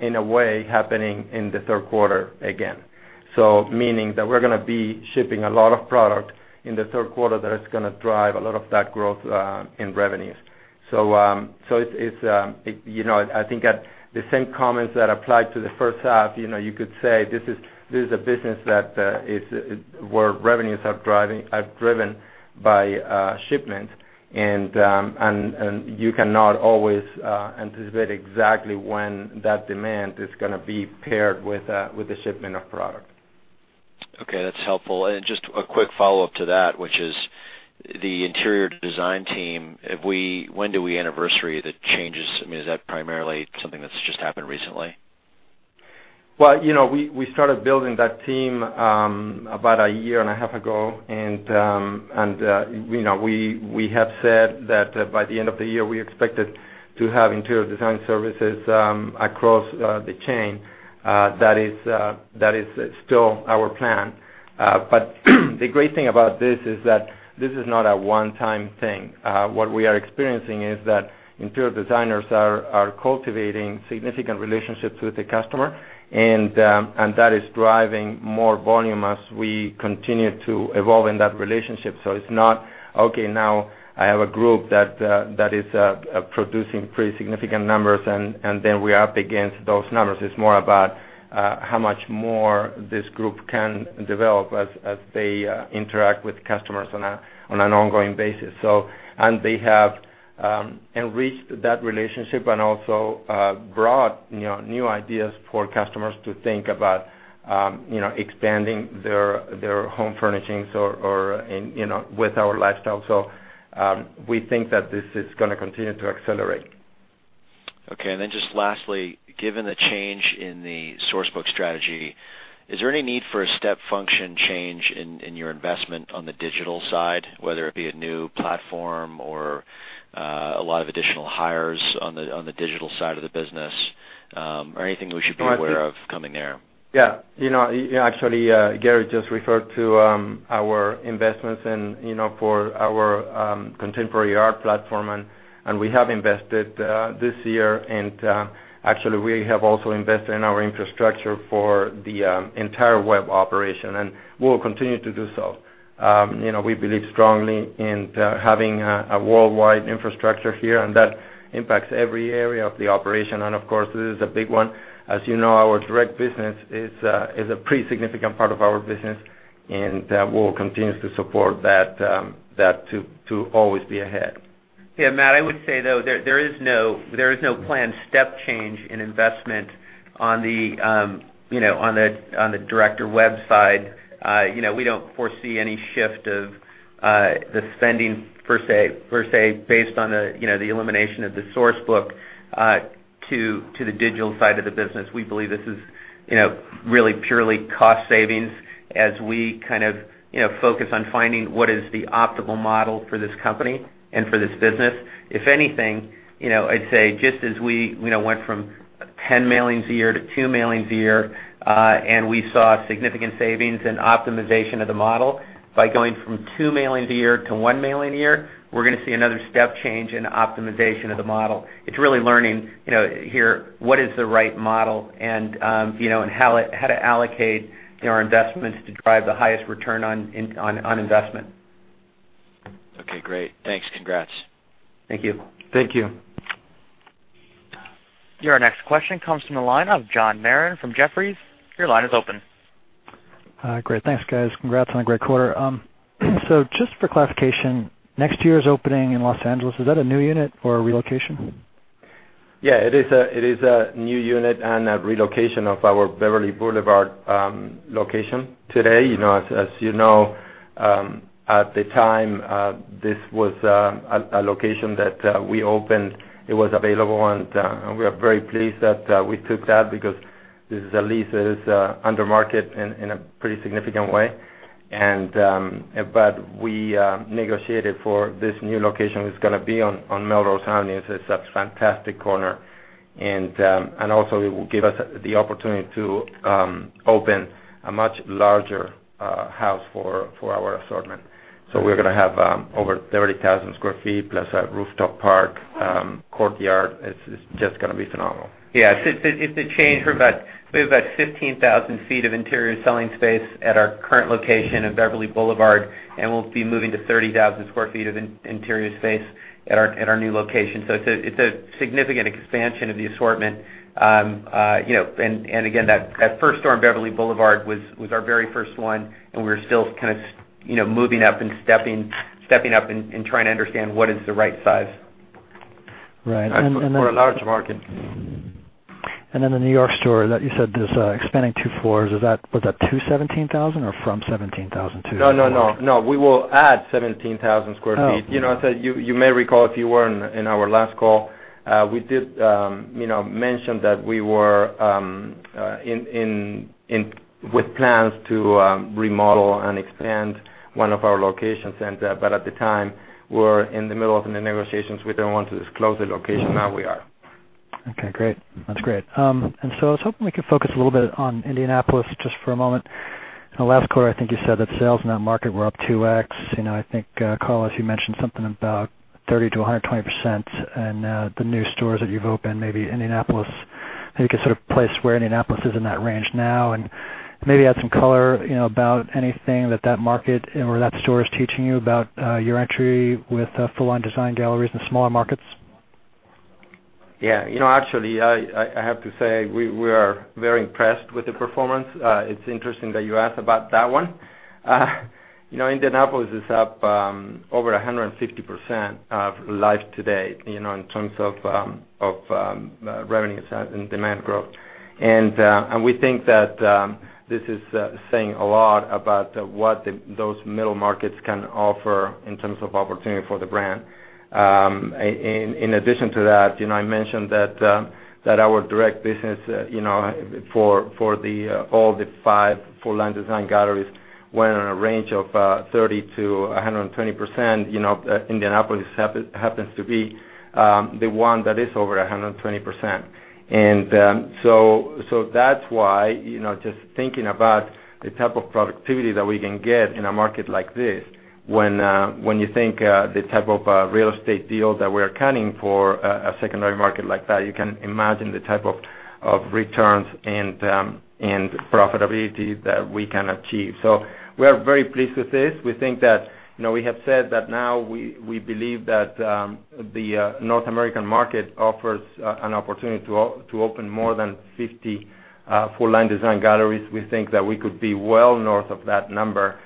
S4: in a way, happening in the third quarter again. Meaning that we're going to be shipping a lot of product in the third quarter that is going to drive a lot of that growth in revenues. I think the same comments that applied to the first half, you could say this is a business where revenues are driven by shipments, you cannot always anticipate exactly when that demand is going to be paired with the shipment of product.
S9: Okay. That's helpful. Just a quick follow-up to that, which is the interior design team. When do we anniversary the changes? I mean, is that primarily something that's just happened recently?
S4: Well, we started building that team about a year and a half ago, and we have said that by the end of the year, we expected to have interior design services across the chain. That is still our plan. The great thing about this is that this is not a one-time thing. What we are experiencing is that interior designers are cultivating significant relationships with the customer, and that is driving more volume as we continue to evolve in that relationship. It's not, okay, now I have a group that is producing pretty significant numbers, and then we are up against those numbers. It's more about how much more this group can develop as they interact with customers on an ongoing basis. They have enriched that relationship and also brought new ideas for customers to think about expanding their home furnishings with our lifestyle. We think that this is going to continue to accelerate.
S9: Okay, just lastly, given the change in the Source Book strategy, is there any need for a step function change in your investment on the digital side, whether it be a new platform or a lot of additional hires on the digital side of the business? Anything we should be aware of coming there?
S4: Yeah. Actually, Gary just referred to our investments and for our Contemporary Art platform, and we have invested this year, and actually, we have also invested in our infrastructure for the entire web operation, and we will continue to do so. We believe strongly in having a worldwide infrastructure here, and that impacts every area of the operation. Of course, this is a big one. As you know, our direct business is a pretty significant part of our business, and we'll continue to support that to always be ahead.
S3: Yeah, Matt, I would say, though, there is no planned step change in investment on the director web side. We don't foresee any shift of the spending per se based on the elimination of the Source Book to the digital side of the business. We believe this is really purely cost savings as we focus on finding what is the optimal model for this company and for this business. If anything, I'd say just as we went from 10 mailings a year to two mailings a year, and we saw significant savings and optimization of the model. By going from two mailings a year to one mailing a year, we're going to see another step change in optimization of the model. It's really learning here what is the right model and how to allocate our investments to drive the highest return on investment.
S9: Okay, great. Thanks. Congrats.
S3: Thank you.
S4: Thank you.
S1: Your next question comes from the line of John Merin from Jefferies. Your line is open.
S10: Great. Thanks, guys. Congrats on a great quarter. Just for clarification, next year's opening in L.A., is that a new unit or a relocation?
S4: Yeah, it is a new unit and a relocation of our Beverly Boulevard location today. As you know, at the time, this was a location that we opened. It was available, and we are very pleased that we took that because this lease is under market in a pretty significant way. We negotiated for this new location. It's going to be on Melrose Avenue. It's a fantastic corner, and also it will give us the opportunity to open a much larger house for our assortment. We're going to have over 30,000 sq ft plus a rooftop park, courtyard. It's just going to be phenomenal.
S3: Yeah. It's a change from about 15,000 sq ft of interior selling space at our current location at Beverly Boulevard, and we'll be moving to 30,000 sq ft of interior space at our new location. It's a significant expansion of the assortment. Again, that first store on Beverly Boulevard was our very first one, and we're still kind of moving up and stepping up and trying to understand what is the right size.
S10: Right.
S4: For a large market.
S10: The New York store that you said is expanding two floors. Was that to 17,000 or from 17,000?
S4: No. We will add 17,000 square feet.
S10: Oh, okay.
S4: You may recall, if you were in our last call, we did mention that we were with plans to remodel and expand one of our locations. At the time, we didn't want to disclose the location. Now we are.
S10: Okay, great. That's great. I was hoping we could focus a little bit on Indianapolis just for a moment. Last quarter, I think you said that sales in that market were up 2x. I think, Carlos, you mentioned something about 30%-120% in the new stores that you've opened, maybe Indianapolis, you could sort of place where Indianapolis is in that range now, and maybe add some color about anything that market or that store is teaching you about your entry with full-line design galleries in smaller markets.
S4: Yeah. Actually, I have to say we are very impressed with the performance. It's interesting that you asked about that one. Indianapolis is up over 150% of life today, in terms of revenue and demand growth. We think that this is saying a lot about what those middle markets can offer in terms of opportunity for the brand. In addition to that, I mentioned that our direct business for all the five full-line design galleries were in a range of 30%-120%. Indianapolis happens to be the one that is over 120%. That's why, just thinking about the type of productivity that we can get in a market like this, when you think the type of real estate deal that we're accounting for a secondary market like that, you can imagine the type of returns and profitability that we can achieve. We are very pleased with this. We have said that now we believe that the North American market offers an opportunity to open more than 50 full-line design galleries. We think that we could be well north of that number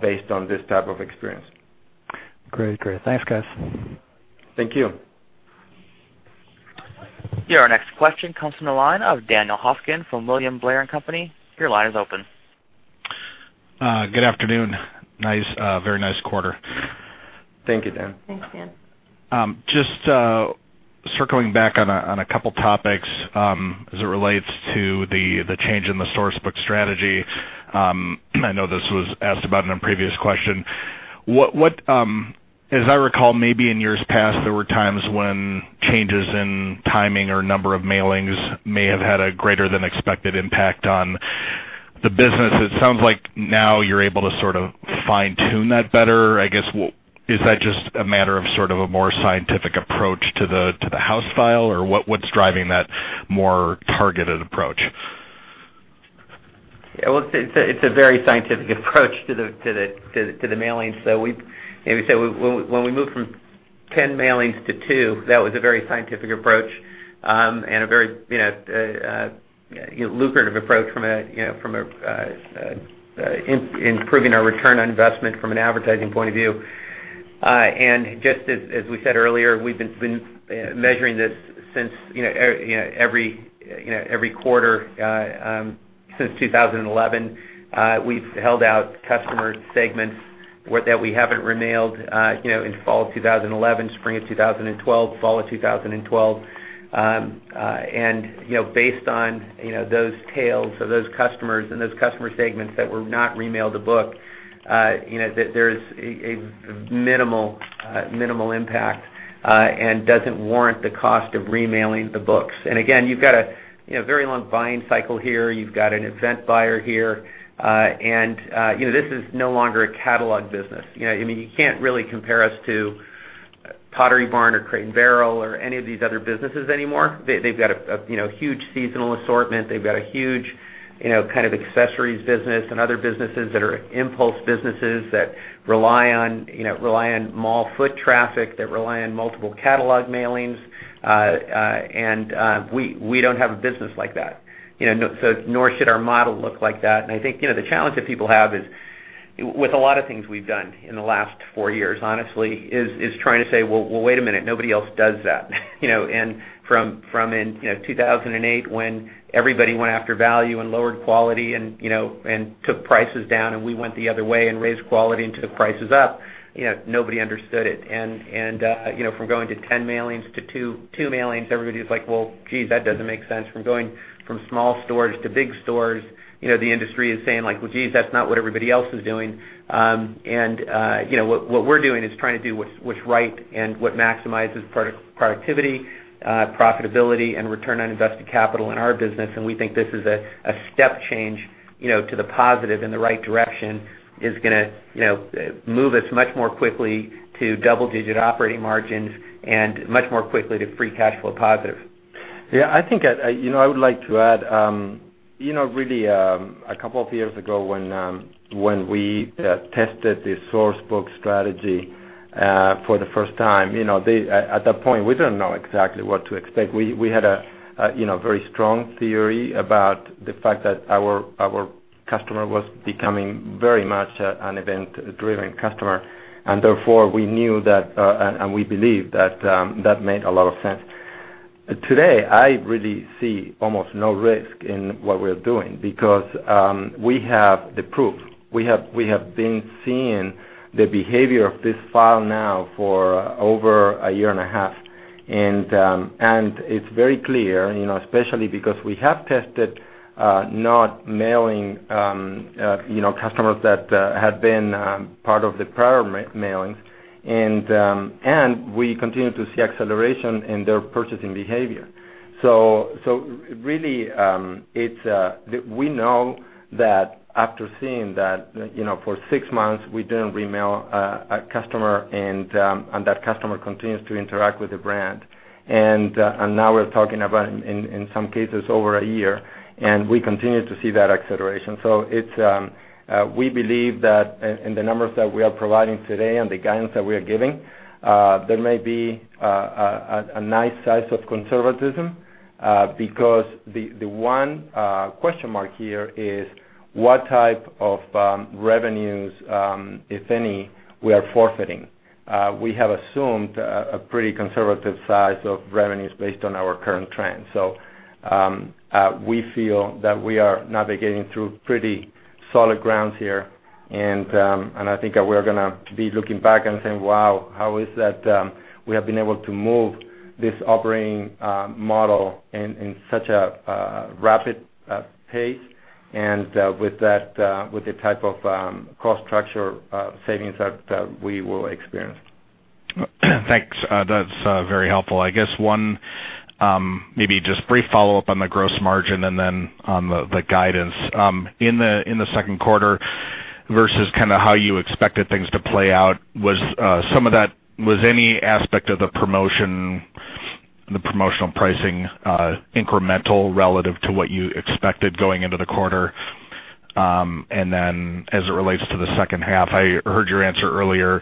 S4: based on this type of experience.
S10: Great. Thanks, guys.
S4: Thank you.
S1: Your next question comes from the line of Daniel Hofkin from William Blair & Company. Your line is open.
S11: Good afternoon. Very nice quarter.
S4: Thank you, Dan.
S3: Thanks, Dan.
S11: Just circling back on a couple topics as it relates to the change in the Source Book strategy. I know this was asked about in a previous question. As I recall, maybe in years past, there were times when changes in timing or number of mailings may have had a greater than expected impact on the business. It sounds like now you're able to sort of fine-tune that better. I guess, is that just a matter of sort of a more scientific approach to the house file, or what's driving that more targeted approach?
S3: It's a very scientific approach to the mailing. When we moved from 10 mailings to 2, that was a very scientific approach, and a very lucrative approach in improving our return on investment from an advertising point of view. Just as we said earlier, we've been measuring this every quarter since 2011. We've held out customer segments that we haven't re-mailed in fall of 2011, spring of 2012, fall of 2012. Based on those tails or those customers and those customer segments that were not re-mailed a book, there's a minimal impact and doesn't warrant the cost of re-mailing the books. Again, you've got a very long buying cycle here. You've got an event buyer here. This is no longer a catalog business. You can't really compare us to Pottery Barn or Crate & Barrel or any of these other businesses anymore. They've got a huge seasonal assortment. They've got a huge kind of accessories business and other businesses that are impulse businesses that rely on mall foot traffic, that rely on multiple catalog mailings. We don't have a business like that, nor should our model look like that. I think, the challenge that people have is with a lot of things we've done in the last four years, honestly, is trying to say, "Well, wait a minute, nobody else does that." From in 2008 when everybody went after value and lowered quality and took prices down, we went the other way and raised quality and took the prices up, nobody understood it. From going to 10 mailings to 2 mailings, everybody's like, "Well, geez, that doesn't make sense." From going from small stores to big stores, the industry is saying, "Well, geez, that's not what everybody else is doing." What we're doing is trying to do what's right and what maximizes productivity, profitability, and return on invested capital in our business. We think this is a step change to the positive in the right direction, is going to move us much more quickly to double-digit operating margins and much more quickly to free cash flow positive.
S4: Yeah, I think I would like to add. Really, a couple of years ago when we tested the Source Book strategy for the first time, at that point, we didn't know exactly what to expect. We had a very strong theory about the fact that our customer was becoming very much an event-driven customer, and therefore, we knew that and we believed that made a lot of sense. Today, I really see almost no risk in what we're doing because we have the proof. We have been seeing the behavior of this file now for over a year and a half, and it's very clear, especially because we have tested not mailing customers that had been part of the prior mailings, and we continue to see acceleration in their purchasing behavior. We know that after seeing that for six months, we didn't re-mail a customer and that customer continues to interact with the brand. Now we're talking about, in some cases, over a year, and we continue to see that acceleration. We believe that in the numbers that we are providing today and the guidance that we are giving, there may be a nice size of conservatism because the one question mark here is what type of revenues if any, we are forfeiting. We have assumed a pretty conservative size of revenues based on our current trends. We feel that we are navigating through pretty solid grounds here, and I think that we're going to be looking back and saying, "Wow, how is that we have been able to move this operating model in such a rapid pace and with the type of cost structure savings that we will experience.
S11: Thanks. That's very helpful. I guess one maybe just brief follow-up on the gross margin and then on the guidance. In the second quarter versus how you expected things to play out, was any aspect of the promotional pricing incremental relative to what you expected going into the quarter? Then as it relates to the second half, I heard your answer earlier.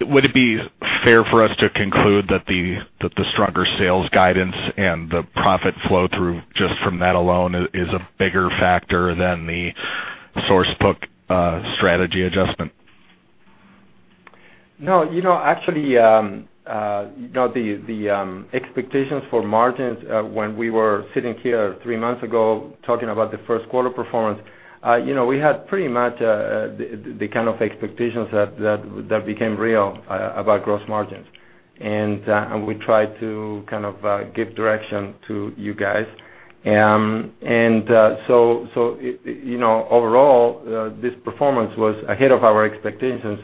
S11: Would it be fair for us to conclude that the stronger sales guidance and the profit flow-through just from that alone is a bigger factor than the Source Book strategy adjustment?
S4: No. Actually, the expectations for margins when we were sitting here three months ago talking about the first quarter performance, we had pretty much the kind of expectations that became real about gross margins. We tried to give direction to you guys. Overall, this performance was ahead of our expectations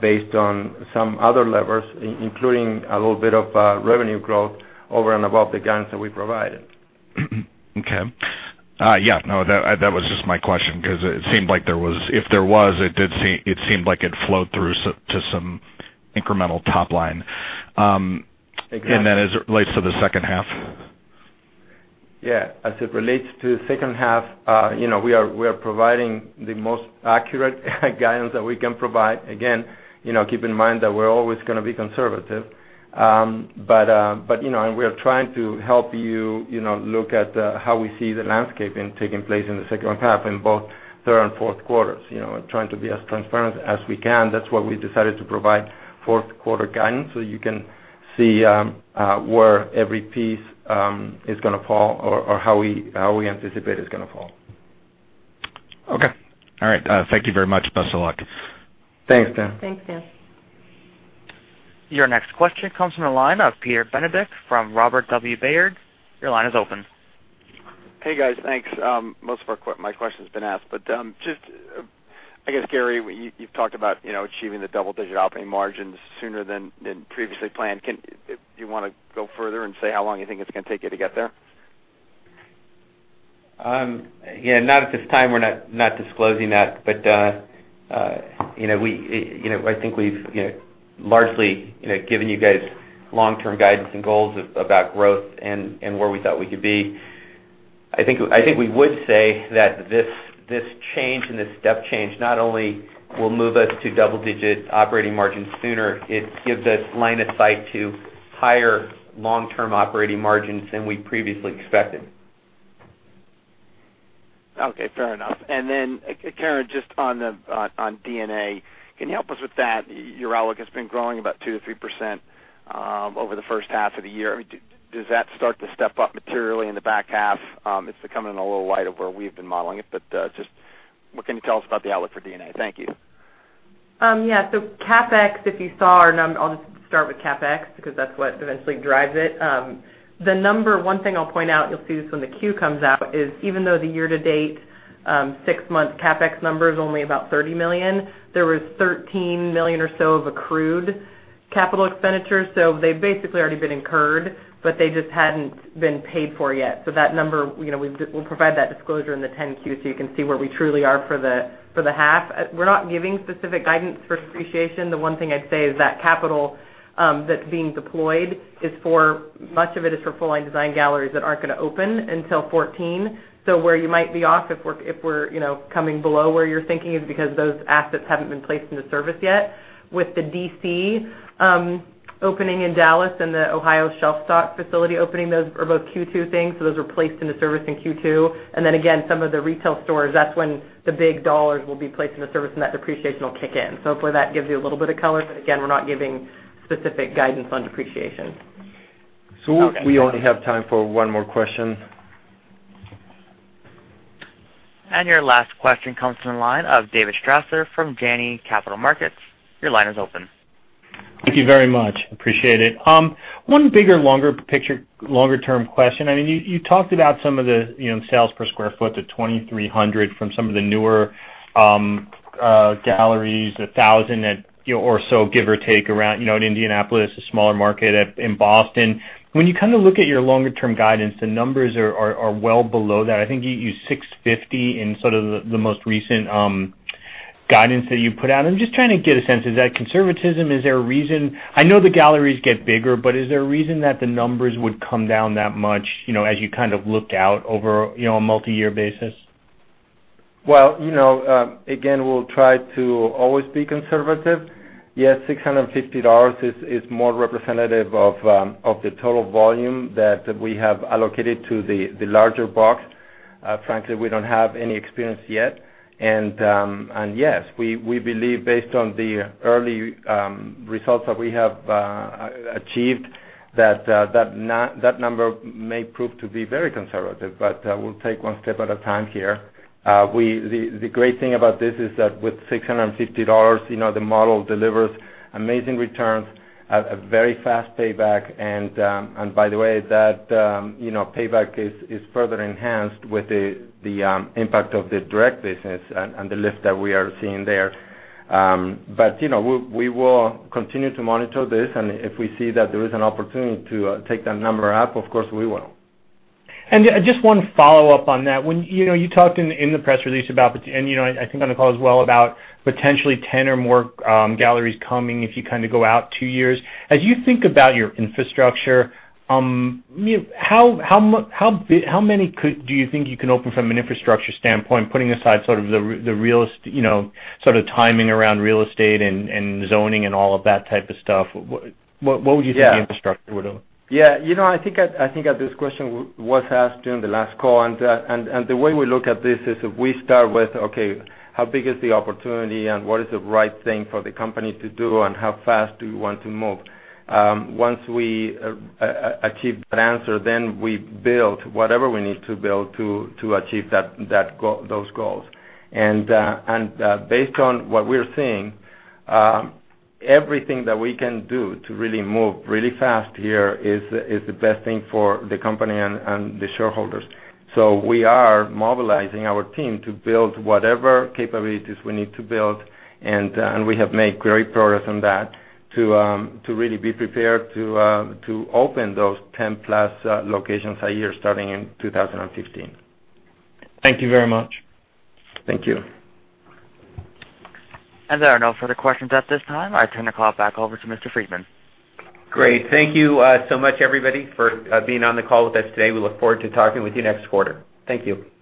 S4: based on some other levers, including a little bit of revenue growth over and above the guidance that we provided.
S11: Okay. Yeah, no, that was just my question because it seemed like if there was, it seemed like it flowed through to some incremental top line.
S4: Exactly.
S11: As it relates to the second half.
S4: Yeah. As it relates to the second half, we are providing the most accurate guidance that we can provide. Again, keep in mind that we're always going to be conservative. We are trying to help you look at how we see the landscaping taking place in the second half in both third and fourth quarters, and trying to be as transparent as we can. That's why we decided to provide fourth quarter guidance so you can see where every piece is going to fall or how we anticipate it's going to fall.
S11: Okay. All right. Thank you very much. Best of luck.
S4: Thanks, Dan.
S3: Thanks, Dan.
S1: Your next question comes from the line of Peter Benedict from Robert W. Baird. Your line is open.
S12: Hey, guys. Thanks. Most of my question's been asked, but just I guess, Gary, you've talked about achieving the double-digit operating margins sooner than previously planned. Do you want to go further and say how long you think it's going to take you to get there?
S3: not at this time. We're not disclosing that, but I think we've largely given you guys long-term guidance and goals about growth and where we thought we could be.
S4: We would say that this change and this step change not only will move us to double-digit operating margins sooner, it gives us line of sight to higher long-term operating margins than we previously expected.
S12: Okay, fair enough. Karen, just on D&A, can you help us with that? Your outlook has been growing about 2%-3% over the first half of the year. Does that start to step up materially in the back half? It's coming in a little light of where we've been modeling it, but just what can you tell us about the outlook for D&A? Thank you.
S5: CapEx, if you saw our I'll just start with CapEx because that's what eventually drives it. The number one thing I'll point out, you'll see this when the Q comes out, is even though the year-to-date, six-month CapEx number is only about $30 million, there was $13 million or so of accrued capital expenditures. They've basically already been incurred, but they just hadn't been paid for yet. That number, we'll provide that disclosure in the 10-Q so you can see where we truly are for the half. We're not giving specific guidance for depreciation. The one thing I'd say is that capital that's being deployed, much of it is for full-line design galleries that aren't going to open until 2014. Where you might be off if we're coming below where you're thinking is because those assets haven't been placed into service yet. With the D.C. opening in Dallas and the Ohio shelf-stock facility opening, those are both Q2 things, so those were placed into service in Q2. Then again, some of the retail stores, that's when the big dollars will be placed into service and that depreciation will kick in. Hopefully that gives you a little bit of color, but again, we're not giving specific guidance on depreciation.
S4: Okay. We only have time for one more question.
S1: Your last question comes from the line of David Strasser from Janney Capital Markets. Your line is open.
S13: Thank you very much. Appreciate it. One bigger, longer picture, longer-term question. You talked about some of the sales per square foot, the 2,300 from some of the newer galleries, 1,000 or so, give or take, around in Indianapolis, a smaller market, in Boston. When you look at your longer-term guidance, the numbers are well below that. I think you used 650 in sort of the most recent guidance that you put out. I'm just trying to get a sense, is that conservatism? Is there a reason? I know the galleries get bigger, but is there a reason that the numbers would come down that much as you look out over a multi-year basis?
S4: Again, we'll try to always be conservative. Yes, $650 is more representative of the total volume that we have allocated to the larger box. Frankly, we don't have any experience yet. Yes, we believe based on the early results that we have achieved, that number may prove to be very conservative. We'll take one step at a time here. The great thing about this is that with $650, the model delivers amazing returns at a very fast payback. By the way, that payback is further enhanced with the impact of the direct business and the lift that we are seeing there. We will continue to monitor this, and if we see that there is an opportunity to take that number up, of course we will.
S13: Just one follow-up on that. When you talked in the press release about, and I think on the call as well, about potentially 10 or more galleries coming if you go out two years. As you think about your infrastructure, how many do you think you can open from an infrastructure standpoint, putting aside sort of the timing around real estate and zoning and all of that type of stuff? What would you think-
S4: Yeah
S13: the infrastructure would have?
S4: I think this question was asked during the last call, the way we look at this is if we start with, okay, how big is the opportunity and what is the right thing for the company to do, how fast do we want to move? Once we achieve that answer, then we build whatever we need to build to achieve those goals. Based on what we're seeing, everything that we can do to really move really fast here is the best thing for the company and the shareholders. We are mobilizing our team to build whatever capabilities we need to build, and we have made great progress on that to really be prepared to open those 10-plus locations a year starting in 2015.
S13: Thank you very much.
S4: Thank you.
S1: There are no further questions at this time. I turn the call back over to Mr. Friedman.
S3: Great. Thank you so much, everybody, for being on the call with us today. We look forward to talking with you next quarter. Thank you.